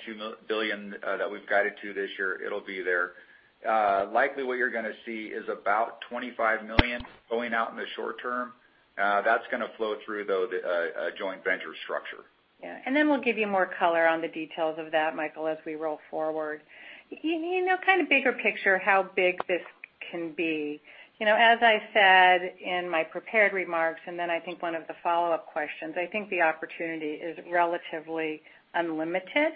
billion that we've guided to this year, it'll be there. Likely, what you're going to see is about $25 million going out in the short term. That's going to flow through, though, the joint venture structure. Yeah. And then we'll give you more color on the details of that, Michael, as we roll forward. Kind of bigger picture, how big this can be. As I said in my prepared remarks, and then I think one of the follow-up questions, I think the opportunity is relatively unlimited.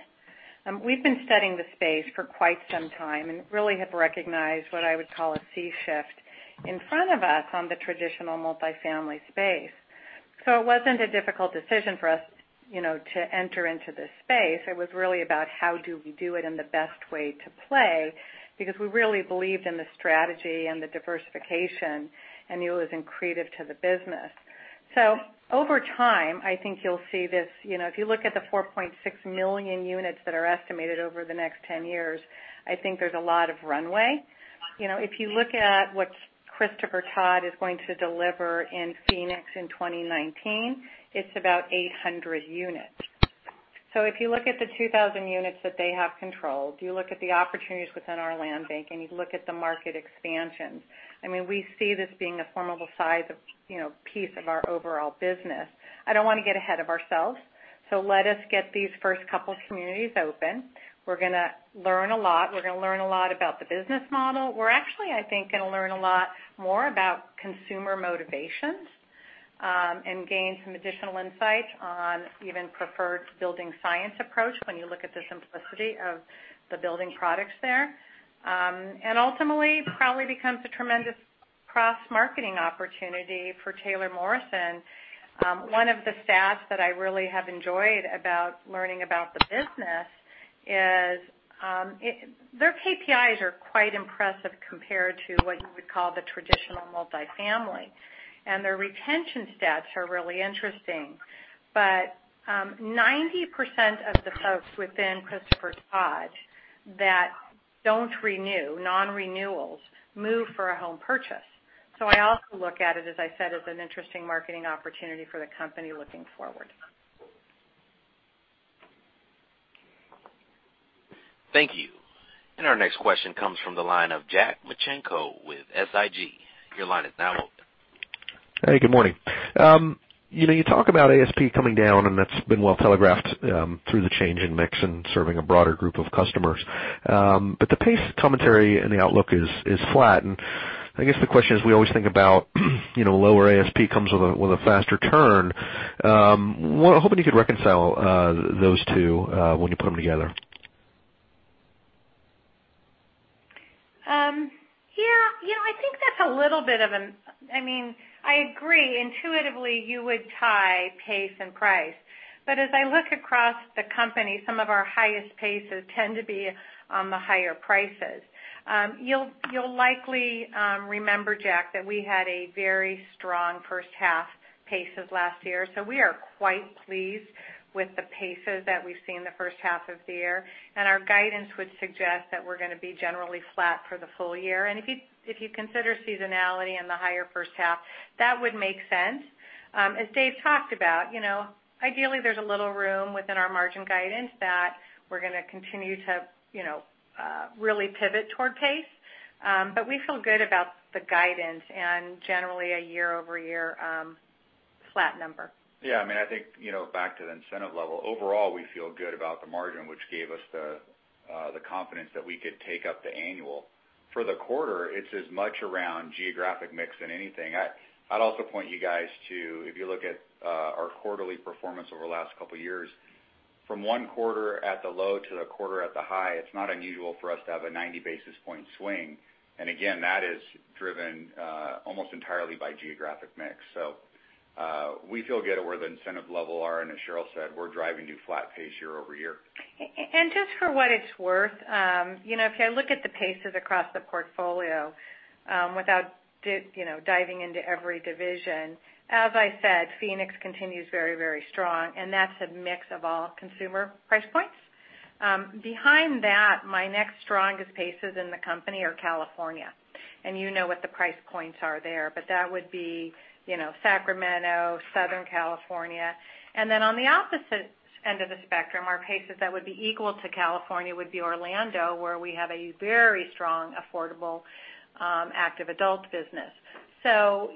We've been studying the space for quite some time and really have recognized what I would call a sea change in front of us on the traditional multifamily space. So it wasn't a difficult decision for us to enter into this space. It was really about how do we do it in the best way to play because we really believed in the strategy and the diversification, and it was incremental to the business. So over time, I think you'll see this. If you look at the 4.6 million units that are estimated over the next 10 years, I think there's a lot of runway. If you look at what Christopher Todd is going to deliver in Phoenix in 2019, it's about 800 units. So if you look at the 2,000 units that they have controlled, you look at the opportunities within our land bank, and you look at the market expansions, I mean, we see this being a formidable size of piece of our overall business. I don't want to get ahead of ourselves. So let us get these first couple of communities open. We're going to learn a lot. We're going to learn a lot about the business model. We're actually, I think, going to learn a lot more about consumer motivations and gain some additional insights on even preferred building science approach when you look at the simplicity of the building products there. And ultimately, it probably becomes a tremendous cross-marketing opportunity for Taylor Morrison. One of the stats that I really have enjoyed about learning about the business is their KPIs are quite impressive compared to what you would call the traditional multifamily. And their retention stats are really interesting. But 90% of the folks within Christopher Todd that don't renew, non-renewals, move for a home purchase. So I also look at it, as I said, as an interesting marketing opportunity for the company looking forward. Thank you. And our next question comes from the line of Jack Micenko with SIG. Your line is now open. Hey, good morning. You talk about ASP coming down, and that's been well telegraphed through the change in mix and serving a broader group of customers. But the pace, commentary, and the outlook is flat. And I guess the question is, we always think about lower ASP comes with a faster turn. I'm hoping you could reconcile those two when you put them together. Yeah. I think that's a little bit of an. I mean, I agree. Intuitively, you would tie pace and price. But as I look across the company, some of our highest paces tend to be on the higher prices. You'll likely remember, Jack, that we had a very strong first-half pace of last year. So we are quite pleased with the paces that we've seen the first half of the year. And our guidance would suggest that we're going to be generally flat for the full year. And if you consider seasonality and the higher first half, that would make sense. As Dave talked about, ideally, there's a little room within our margin guidance that we're going to continue to really pivot toward pace. But we feel good about the guidance and generally a year-over-year flat number. Yeah. I mean, I think back to the incentive level, overall, we feel good about the margin, which gave us the confidence that we could take up the annual. For the quarter, it's as much around geographic mix than anything. I'd also point you guys to, if you look at our quarterly performance over the last couple of years, from one quarter at the low to the quarter at the high, it's not unusual for us to have a 90 basis point swing. And again, that is driven almost entirely by geographic mix. So we feel good at where the incentive level are. And as Sheryl said, we're driving to flat pace year-over-year. Just for what it's worth, if you look at the paces across the portfolio without diving into every division, as I said, Phoenix continues very, very strong. And that's a mix of all consumer price points. Behind that, my next strongest paces in the company are California. And you know what the price points are there. But that would be Sacramento, Southern California. And then on the opposite end of the spectrum, our paces that would be equal to California would be Orlando, where we have a very strong, affordable, active adult business. So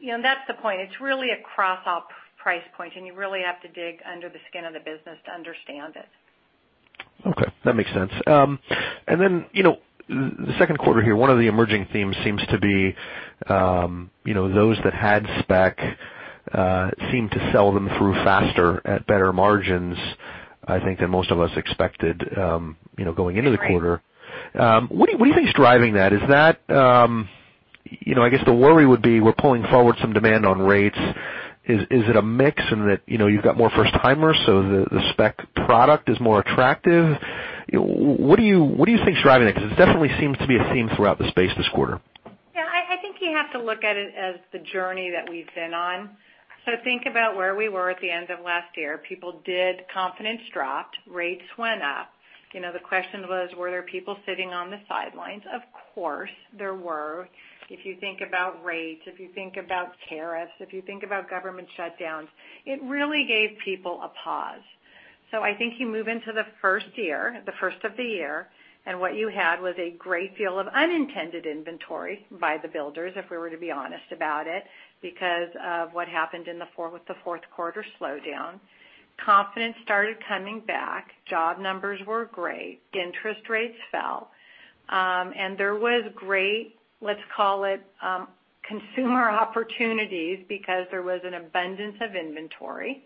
that's the point. It's really across all price points, and you really have to dig under the skin of the business to understand it. Okay. That makes sense. And then the second quarter here, one of the emerging themes seems to be those that had spec seem to sell them through faster at better margins, I think, than most of us expected going into the quarter. What do you think's driving that? Is that, I guess, the worry would be we're pulling forward some demand on rates. Is it a mix in that you've got more first-timers? So the spec product is more attractive. What do you think's driving that? Because it definitely seems to be a theme throughout the space this quarter. Yeah. I think you have to look at it as the journey that we've been on. So think about where we were at the end of last year. People did, confidence dropped, rates went up. The question was, were there people sitting on the sidelines? Of course, there were. If you think about rates, if you think about tariffs, if you think about government shutdowns, it really gave people a pause. So I think you move into the first year, the first of the year, and what you had was a great deal of unintended inventory by the builders, if we were to be honest about it, because of what happened with the fourth quarter slowdown. Confidence started coming back. Job numbers were great. Interest rates fell. And there was great, let's call it, consumer opportunities because there was an abundance of inventory.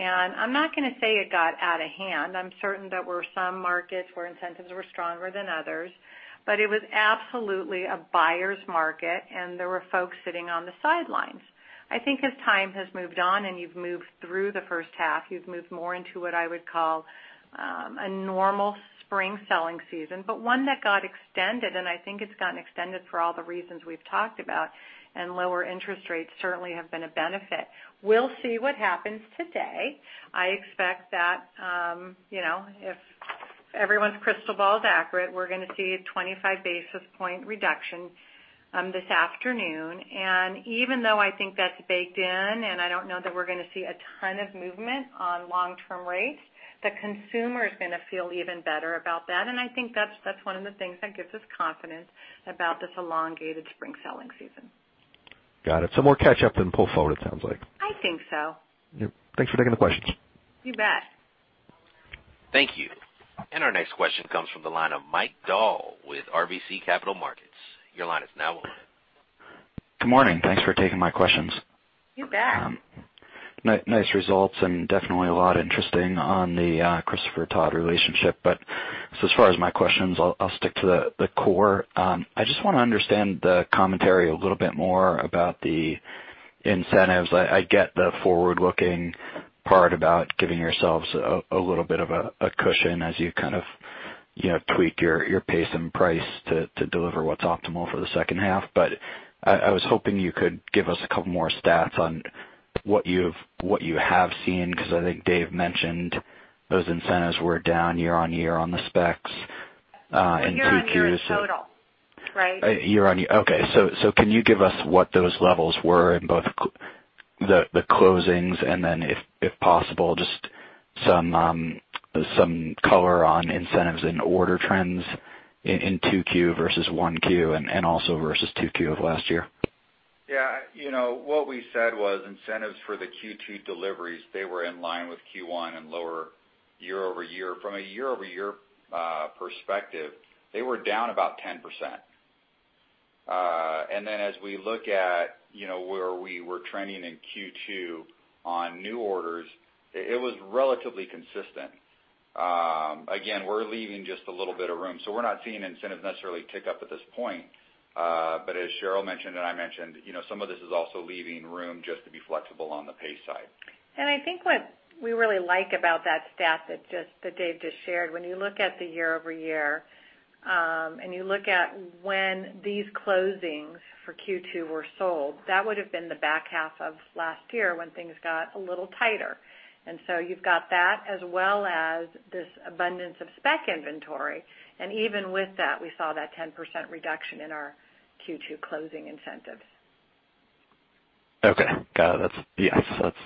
I'm not going to say it got out of hand. I'm certain there were some markets where incentives were stronger than others. It was absolutely a buyer's market, and there were folks sitting on the sidelines. I think as time has moved on and you've moved through the first half, you've moved more into what I would call a normal spring selling season, but one that got extended. I think it's gotten extended for all the reasons we've talked about. Lower interest rates certainly have been a benefit. We'll see what happens today. I expect that if everyone's crystal ball is accurate, we're going to see a 25 basis points reduction this afternoon. Even though I think that's baked in, and I don't know that we're going to see a ton of movement on long-term rates, the consumer is going to feel even better about that. I think that's one of the things that gives us confidence about this elongated spring selling season. Got it. So more catch-up than pull forward, it sounds like. I think so. Thanks for taking the questions. You bet. Thank you. And our next question comes from the line of Mike Dahl with RBC Capital Markets. Your line is now open. Good morning. Thanks for taking my questions. You bet. Nice results and definitely a lot of interesting on the Christopher Todd relationship, but as far as my questions, I'll stick to the core. I just want to understand the commentary a little bit more about the incentives. I get the forward-looking part about giving yourselves a little bit of a cushion as you kind of tweak your pace and price to deliver what's optimal for the second half, but I was hoping you could give us a couple more stats on what you have seen because I think Dave mentioned those incentives were down year-on-year on the specs in 2Qs. Yeah. They were down a little. Right. Year on year. Okay. So can you give us what those levels were in both the closings and then, if possible, just some color on incentives and order trends in 2Q versus 1Q and also versus 2Q of last year? Yeah. What we said was incentives for the Q2 deliveries, they were in line with Q1 and lower year over year. From a year-over-year perspective, they were down about 10%. And then as we look at where we were trending in Q2 on new orders, it was relatively consistent. Again, we're leaving just a little bit of room. So we're not seeing incentives necessarily tick up at this point. But as Sheryl mentioned and I mentioned, some of this is also leaving room just to be flexible on the pace side. And I think what we really like about that stat that Dave just shared, when you look at the year-over-year and you look at when these closings for Q2 were sold, that would have been the back half of last year when things got a little tighter. And so you've got that as well as this abundance of spec inventory. And even with that, we saw that 10% reduction in our Q2 closing incentives. Okay. Got it. Yes.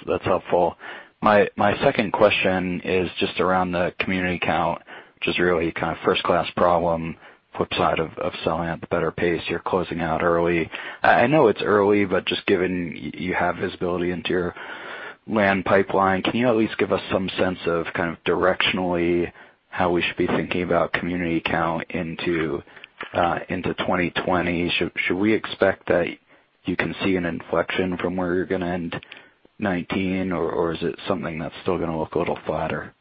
That's helpful. My second question is just around the community count, which is really kind of first-class problem flip side of selling at the better pace. You're closing out early. I know it's early, but just given you have visibility into your land pipeline, can you at least give us some sense of kind of directionally how we should be thinking about community count into 2020? Should we expect that you can see an inflection from where you're going to end 2019, or is it something that's still going to look a little flatter?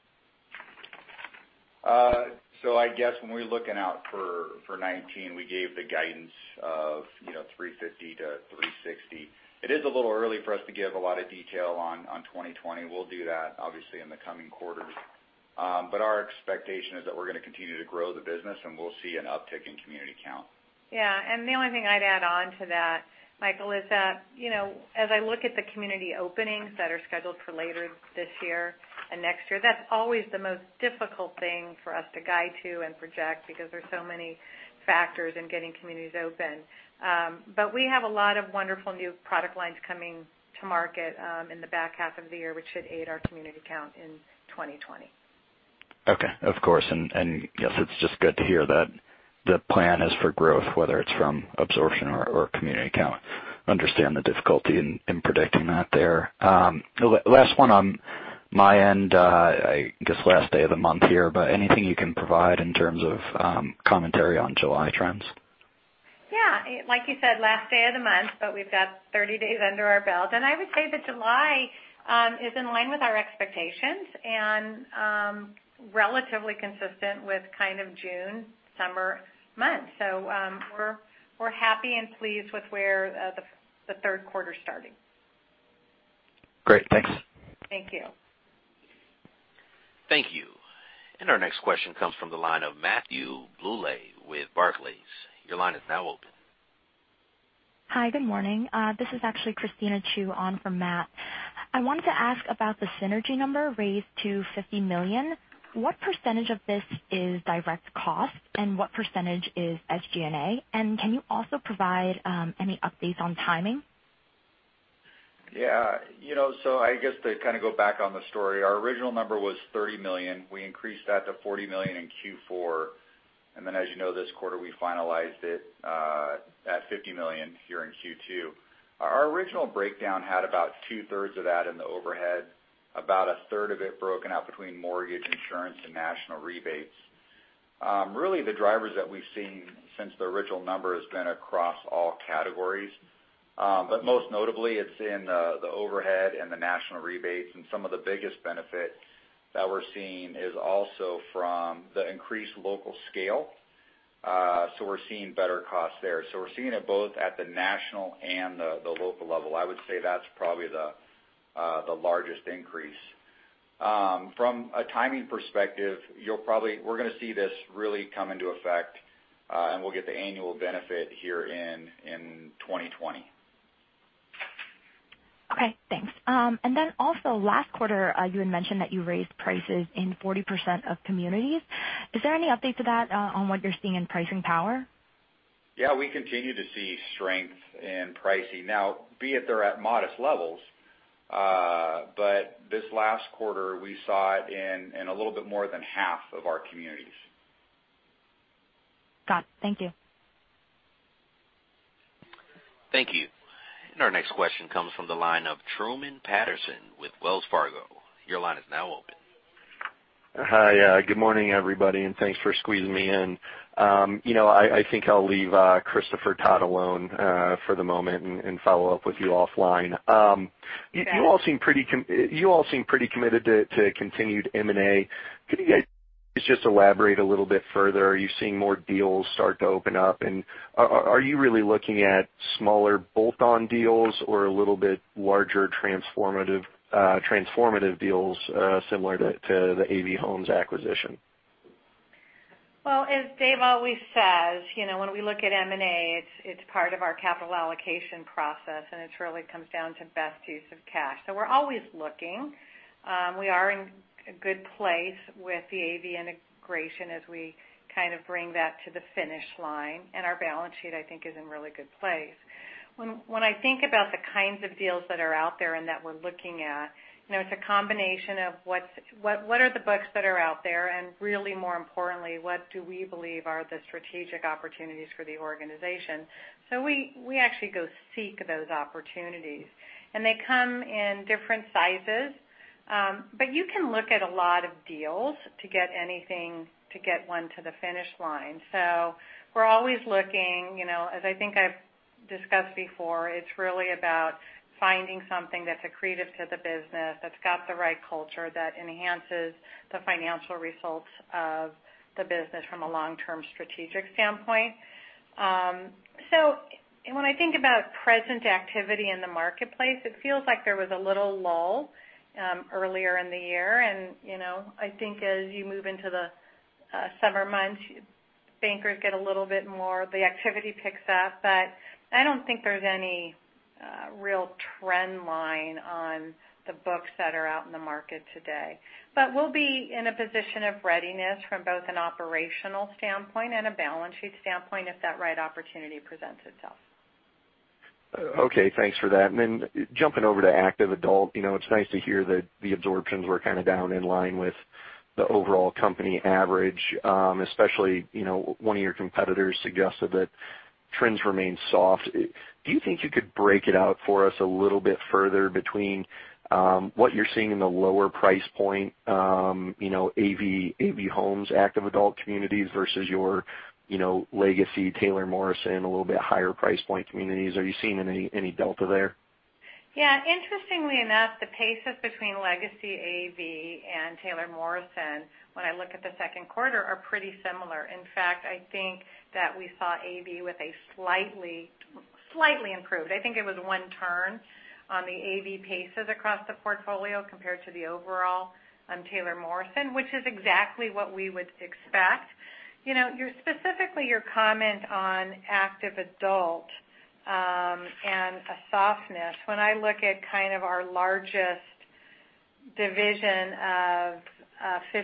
So I guess when we're looking out for 2019, we gave the guidance of 350-360. It is a little early for us to give a lot of detail on 2020. We'll do that, obviously, in the coming quarters. But our expectation is that we're going to continue to grow the business, and we'll see an uptick in community count. Yeah. And the only thing I'd add on to that, Michael, is that as I look at the community openings that are scheduled for later this year and next year, that's always the most difficult thing for us to guide to and project because there's so many factors in getting communities open. But we have a lot of wonderful new product lines coming to market in the back half of the year, which should aid our community count in 2020. Okay. Of course. And yes, it's just good to hear that the plan is for growth, whether it's from absorption or community count. Understand the difficulty in predicting that there. Last one on my end, I guess last day of the month here, but anything you can provide in terms of commentary on July trends? Yeah. Like you said, last day of the month, but we've got 30 days under our belt. And I would say that July is in line with our expectations and relatively consistent with kind of June, summer months. So we're happy and pleased with where the third quarter's starting. Great. Thanks. Thank you. Thank you. Our next question comes from the line of Matthew Bouley with Barclays. Your line is now open. Hi. Good morning. This is actually Christine Cho from Barclays. I wanted to ask about the synergy number raised to $50 million. What percentage of this is direct cost, and what percentage is SG&A? And can you also provide any updates on timing? Yeah. So I guess to kind of go back on the story, our original number was $30 million. We increased that to $40 million in Q4. And then, as you know, this quarter, we finalized it at $50 million here in Q2. Our original breakdown had about two-thirds of that in the overhead, about a third of it broken out between mortgage, insurance, and national rebates. Really, the drivers that we've seen since the original number has been across all categories. But most notably, it's in the overhead and the national rebates. And some of the biggest benefit that we're seeing is also from the increased local scale. So we're seeing better costs there. So we're seeing it both at the national and the local level. I would say that's probably the largest increase. From a timing perspective, we're going to see this really come into effect, and we'll get the annual benefit here in 2020. Okay. Thanks. And then also, last quarter, you had mentioned that you raised prices in 40% of communities. Is there any update to that on what you're seeing in pricing power? Yeah. We continue to see strength in pricing. Now, albeit they're at modest levels, but this last quarter, we saw it in a little bit more than half of our communities. Got it. Thank you. Thank you. And our next question comes from the line of Truman Patterson with Wells Fargo. Your line is now open. Hi. Good morning, everybody. And thanks for squeezing me in. I think I'll leave Christopher Todd alone for the moment and follow up with you offline. You all seem pretty committed to continued M&A. Could you guys just elaborate a little bit further? Are you seeing more deals start to open up? And are you really looking at smaller bolt-on deals or a little bit larger transformative deals similar to the AV Homes acquisition? As Dave always says, when we look at M&A, it's part of our capital allocation process, and it really comes down to best use of cash. We're always looking. We are in a good place with the AV integration as we kind of bring that to the finish line. Our balance sheet, I think, is in really good place. When I think about the kinds of deals that are out there and that we're looking at, it's a combination of what are the books that are out there? And really, more importantly, what do we believe are the strategic opportunities for the organization? We actually go seek those opportunities. They come in different sizes. You can look at a lot of deals to get anything to get one to the finish line. So we're always looking, as I think I've discussed before. It's really about finding something that's accretive to the business, that's got the right culture, that enhances the financial results of the business from a long-term strategic standpoint. And when I think about present activity in the marketplace, it feels like there was a little lull earlier in the year. And I think as you move into the summer months, bankers get a little bit more the activity picks up. But I don't think there's any real trend line on the books that are out in the market today. But we'll be in a position of readiness from both an operational standpoint and a balance sheet standpoint if that right opportunity presents itself. Okay. Thanks for that. And then jumping over to active adult, it's nice to hear that the absorptions were kind of down in line with the overall company average, especially one of your competitors suggested that trends remain soft. Do you think you could break it out for us a little bit further between what you're seeing in the lower price point, AV Homes, active adult communities versus your legacy Taylor Morrison, a little bit higher price point communities? Are you seeing any delta there? Yeah. Interestingly enough, the paces between legacy AV and Taylor Morrison, when I look at the second quarter, are pretty similar. In fact, I think that we saw AV with a slightly improved. I think it was one turn on the AV paces across the portfolio compared to the overall Taylor Morrison, which is exactly what we would expect. Specifically, your comment on active adult and a softness, when I look at kind of our largest division of 55+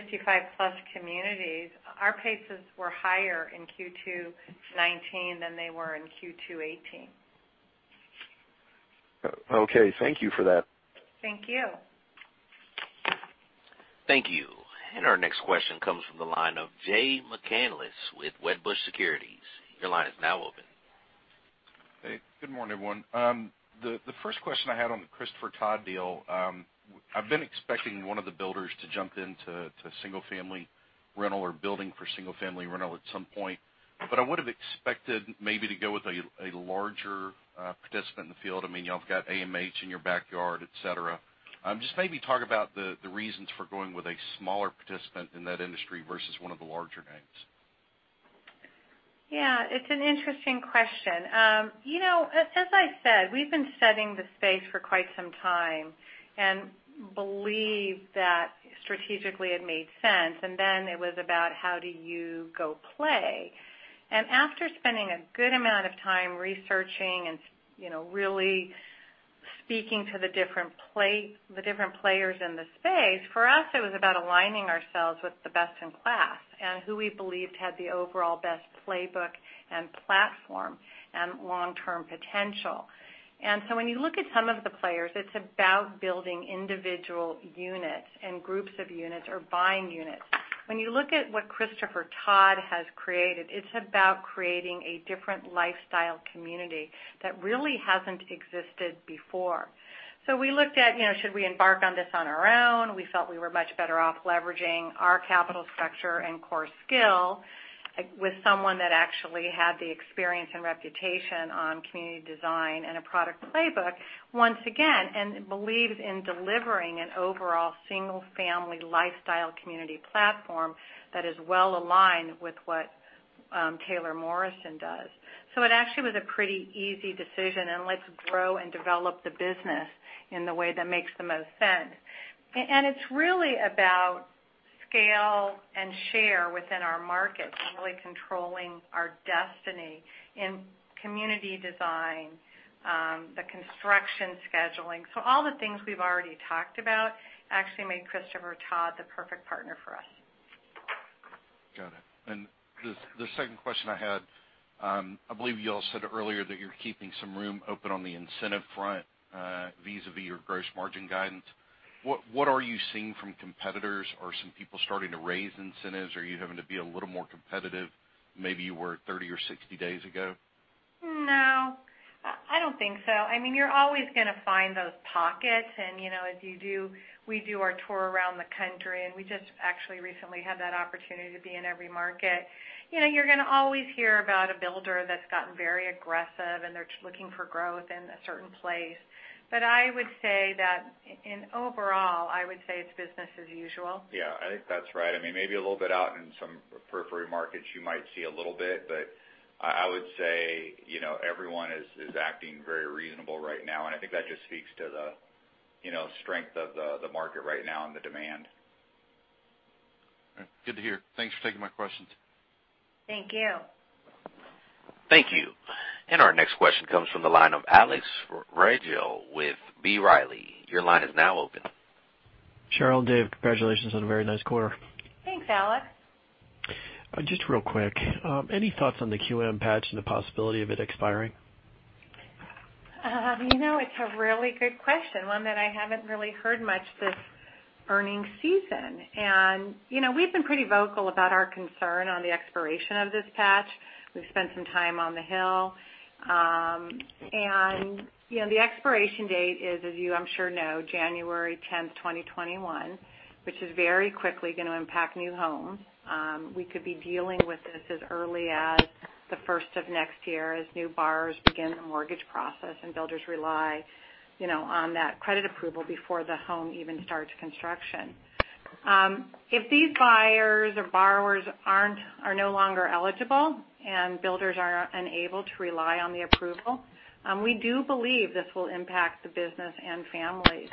communities, our paces were higher in Q2 2019 than they were in Q2 2018. Okay. Thank you for that. Thank you. Thank you. And our next question comes from the line of Jay McCanless with Wedbush Securities. Your line is now open. Hey. Good morning, everyone. The first question I had on the Christopher Todd deal, I've been expecting one of the builders to jump into single-family rental or building for single-family rental at some point. But I would have expected maybe to go with a larger participant in the field. I mean, y'all have got AMH in your backyard, etc. Just maybe talk about the reasons for going with a smaller participant in that industry versus one of the larger names. Yeah. It's an interesting question. As I said, we've been studying the space for quite some time and believe that strategically it made sense. And then it was about how do you go play. And after spending a good amount of time researching and really speaking to the different players in the space, for us, it was about aligning ourselves with the best in class and who we believed had the overall best playbook and platform and long-term potential. And so when you look at some of the players, it's about building individual units and groups of units or buying units. When you look at what Christopher Todd has created, it's about creating a different lifestyle community that really hasn't existed before. So we looked at, should we embark on this on our own? We felt we were much better off leveraging our capital structure and core skill with someone that actually had the experience and reputation on community design and a product playbook, once again, and believes in delivering an overall single-family lifestyle community platform that is well aligned with what Taylor Morrison does, so it actually was a pretty easy decision, and let's grow and develop the business in the way that makes the most sense, and it's really about scale and share within our market and really controlling our destiny in community design, the construction scheduling, so all the things we've already talked about actually made Christopher Todd the perfect partner for us. Got it. And the second question I had, I believe you all said earlier that you're keeping some room open on the incentive front vis-à-vis your gross margin guidance. What are you seeing from competitors? Are some people starting to raise incentives? Are you having to be a little more competitive maybe you were 30 or 60 days ago? No. I don't think so. I mean, you're always going to find those pockets, and as you do, we do our tour around the country, and we just actually recently had that opportunity to be in every market. You're going to always hear about a builder that's gotten very aggressive, and they're looking for growth in a certain place, but I would say that overall, I would say it's business as usual. Yeah. I think that's right. I mean, maybe a little bit out in some peripheral markets, you might see a little bit, but I would say everyone is acting very reasonable right now, and I think that just speaks to the strength of the market right now and the demand. Good to hear. Thanks for taking my questions. Thank you. Thank you. Our next question comes from the line of Alex Rygiel with B. Riley. Your line is now open. Sheryl, Dave, congratulations on a very nice quarter. Thanks, Alex. Just real quick, any thoughts on the QM Patch and the possibility of it expiring? It's a really good question, one that I haven't really heard much this earnings season. And we've been pretty vocal about our concern on the expiration of this patch. We've spent some time on the Hill. And the expiration date is, as you, I'm sure, know, January 10, 2021, which is very quickly going to impact new homes. We could be dealing with this as early as the first of next year as new buyers begin the mortgage process, and builders rely on that credit approval before the home even starts construction. If these buyers or borrowers are no longer eligible and builders are unable to rely on the approval, we do believe this will impact the business and families.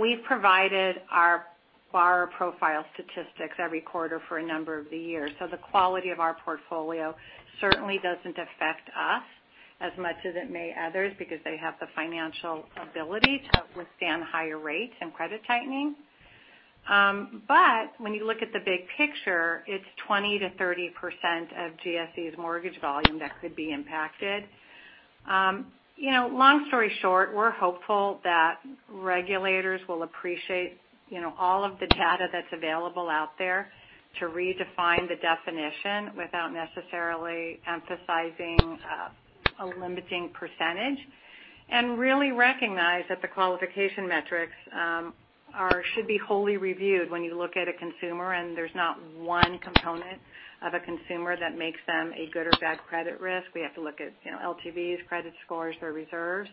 We've provided our borrower profile statistics every quarter for a number of the years. So the quality of our portfolio certainly doesn't affect us as much as it may others because they have the financial ability to withstand higher rates and credit tightening. But when you look at the big picture, it's 20%-30% of GSEs mortgage volume that could be impacted. Long story short, we're hopeful that regulators will appreciate all of the data that's available out there to redefine the definition without necessarily emphasizing a limiting percentage and really recognize that the qualification metrics should be wholly reviewed when you look at a consumer, and there's not one component of a consumer that makes them a good or bad credit risk. We have to look at LTVs, credit scores, their reserves.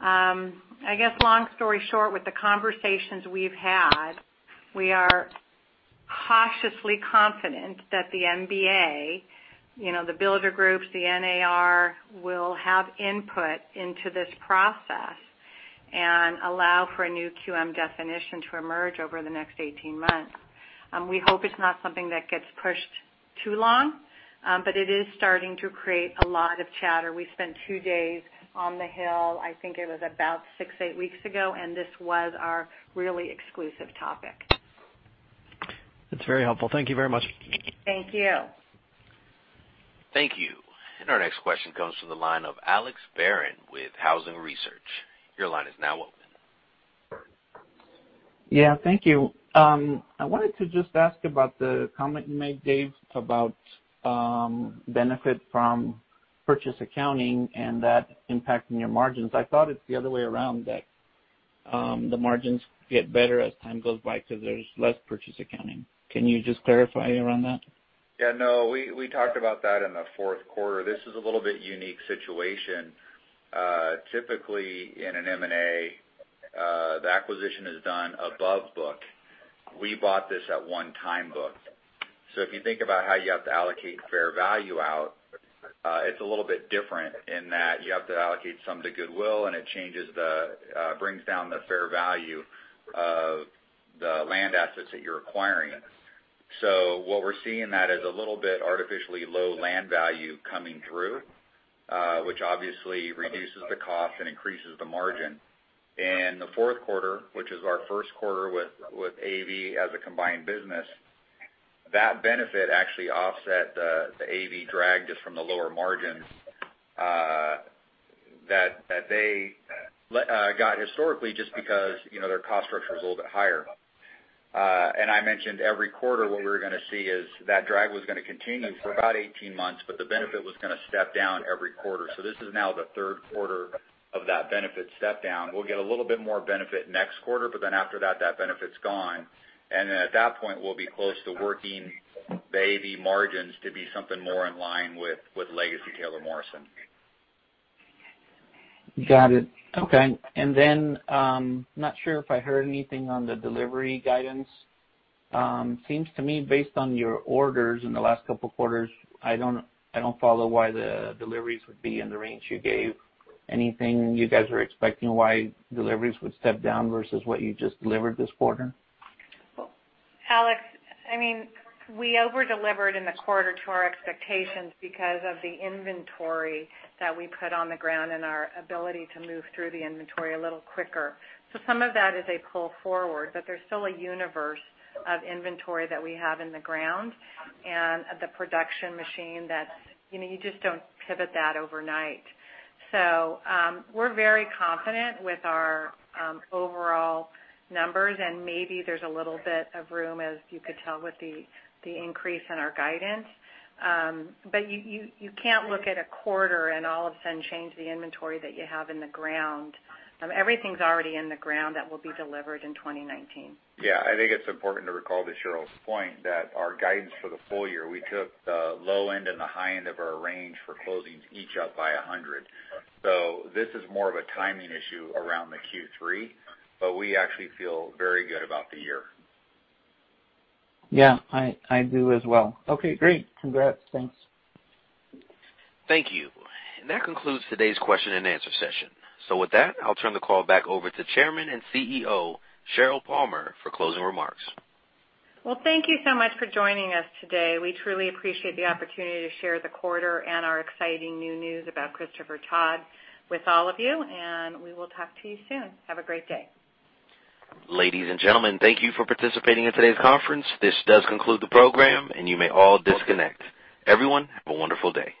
I guess long story short, with the conversations we've had, we are cautiously confident that the MBA, the builder groups, the NAR will have input into this process and allow for a new QM definition to emerge over the next 18 months. We hope it's not something that gets pushed too long, but it is starting to create a lot of chatter. We spent two days on the Hill. I think it was about six, eight weeks ago, and this was our really exclusive topic. That's very helpful. Thank you very much. Thank you. Thank you. And our next question comes from the line of Alex Barron with Housing Research. Your line is now open. Yeah. Thank you. I wanted to just ask about the comment you made, Dave, about benefit from purchase accounting and that impacting your margins. I thought it's the other way around that the margins get better as time goes by because there's less purchase accounting. Can you just clarify around that? Yeah. No, we talked about that in the fourth quarter. This is a little bit unique situation. Typically, in an M&A, the acquisition is done above book. We bought this at one times book. So if you think about how you have to allocate fair value out, it's a little bit different in that you have to allocate some to goodwill, and it brings down the fair value of the land assets that you're acquiring. So what we're seeing in that is a little bit artificially low land value coming through, which obviously reduces the cost and increases the margin. In the fourth quarter, which is our first quarter with AV as a combined business, that benefit actually offset the AV drag just from the lower margins that they got historically just because their cost structure was a little bit higher. And I mentioned every quarter what we were going to see is that drag was going to continue for about 18 months, but the benefit was going to step down every quarter. So this is now the third quarter of that benefit step down. We'll get a little bit more benefit next quarter, but then after that, that benefit's gone. And then at that point, we'll be close to working the AV margins to be something more in line with legacy Taylor Morrison. Got it. Okay. And then I'm not sure if I heard anything on the delivery guidance. Seems to me, based on your orders in the last couple of quarters, I don't follow why the deliveries would be in the range you gave. Anything you guys were expecting why deliveries would step down versus what you just delivered this quarter? Well, Alex, I mean, we overdelivered in the quarter to our expectations because of the inventory that we put on the ground and our ability to move through the inventory a little quicker. So some of that is a pull forward, but there's still a universe of inventory that we have in the ground and the production machine that you just don't pivot that overnight. So we're very confident with our overall numbers, and maybe there's a little bit of room, as you could tell with the increase in our guidance. But you can't look at a quarter and all of a sudden change the inventory that you have in the ground. Everything's already in the ground that will be delivered in 2019. Yeah. I think it's important to recall to Sheryl's point that our guidance for the full year, we took the low end and the high end of our range for closings each up by 100. So this is more of a timing issue around the Q3, but we actually feel very good about the year. Yeah. I do as well. Okay. Great. Congrats. Thanks. Thank you. And that concludes today's question and answer session. So with that, I'll turn the call back over to Chairman and CEO Sheryl Palmer for closing remarks. Thank you so much for joining us today. We truly appreciate the opportunity to share the quarter and our exciting new news about Christopher Todd with all of you, and we will talk to you soon. Have a great day. Ladies and gentlemen, thank you for participating in today's conference. This does conclude the program, and you may all disconnect. Everyone, have a wonderful day.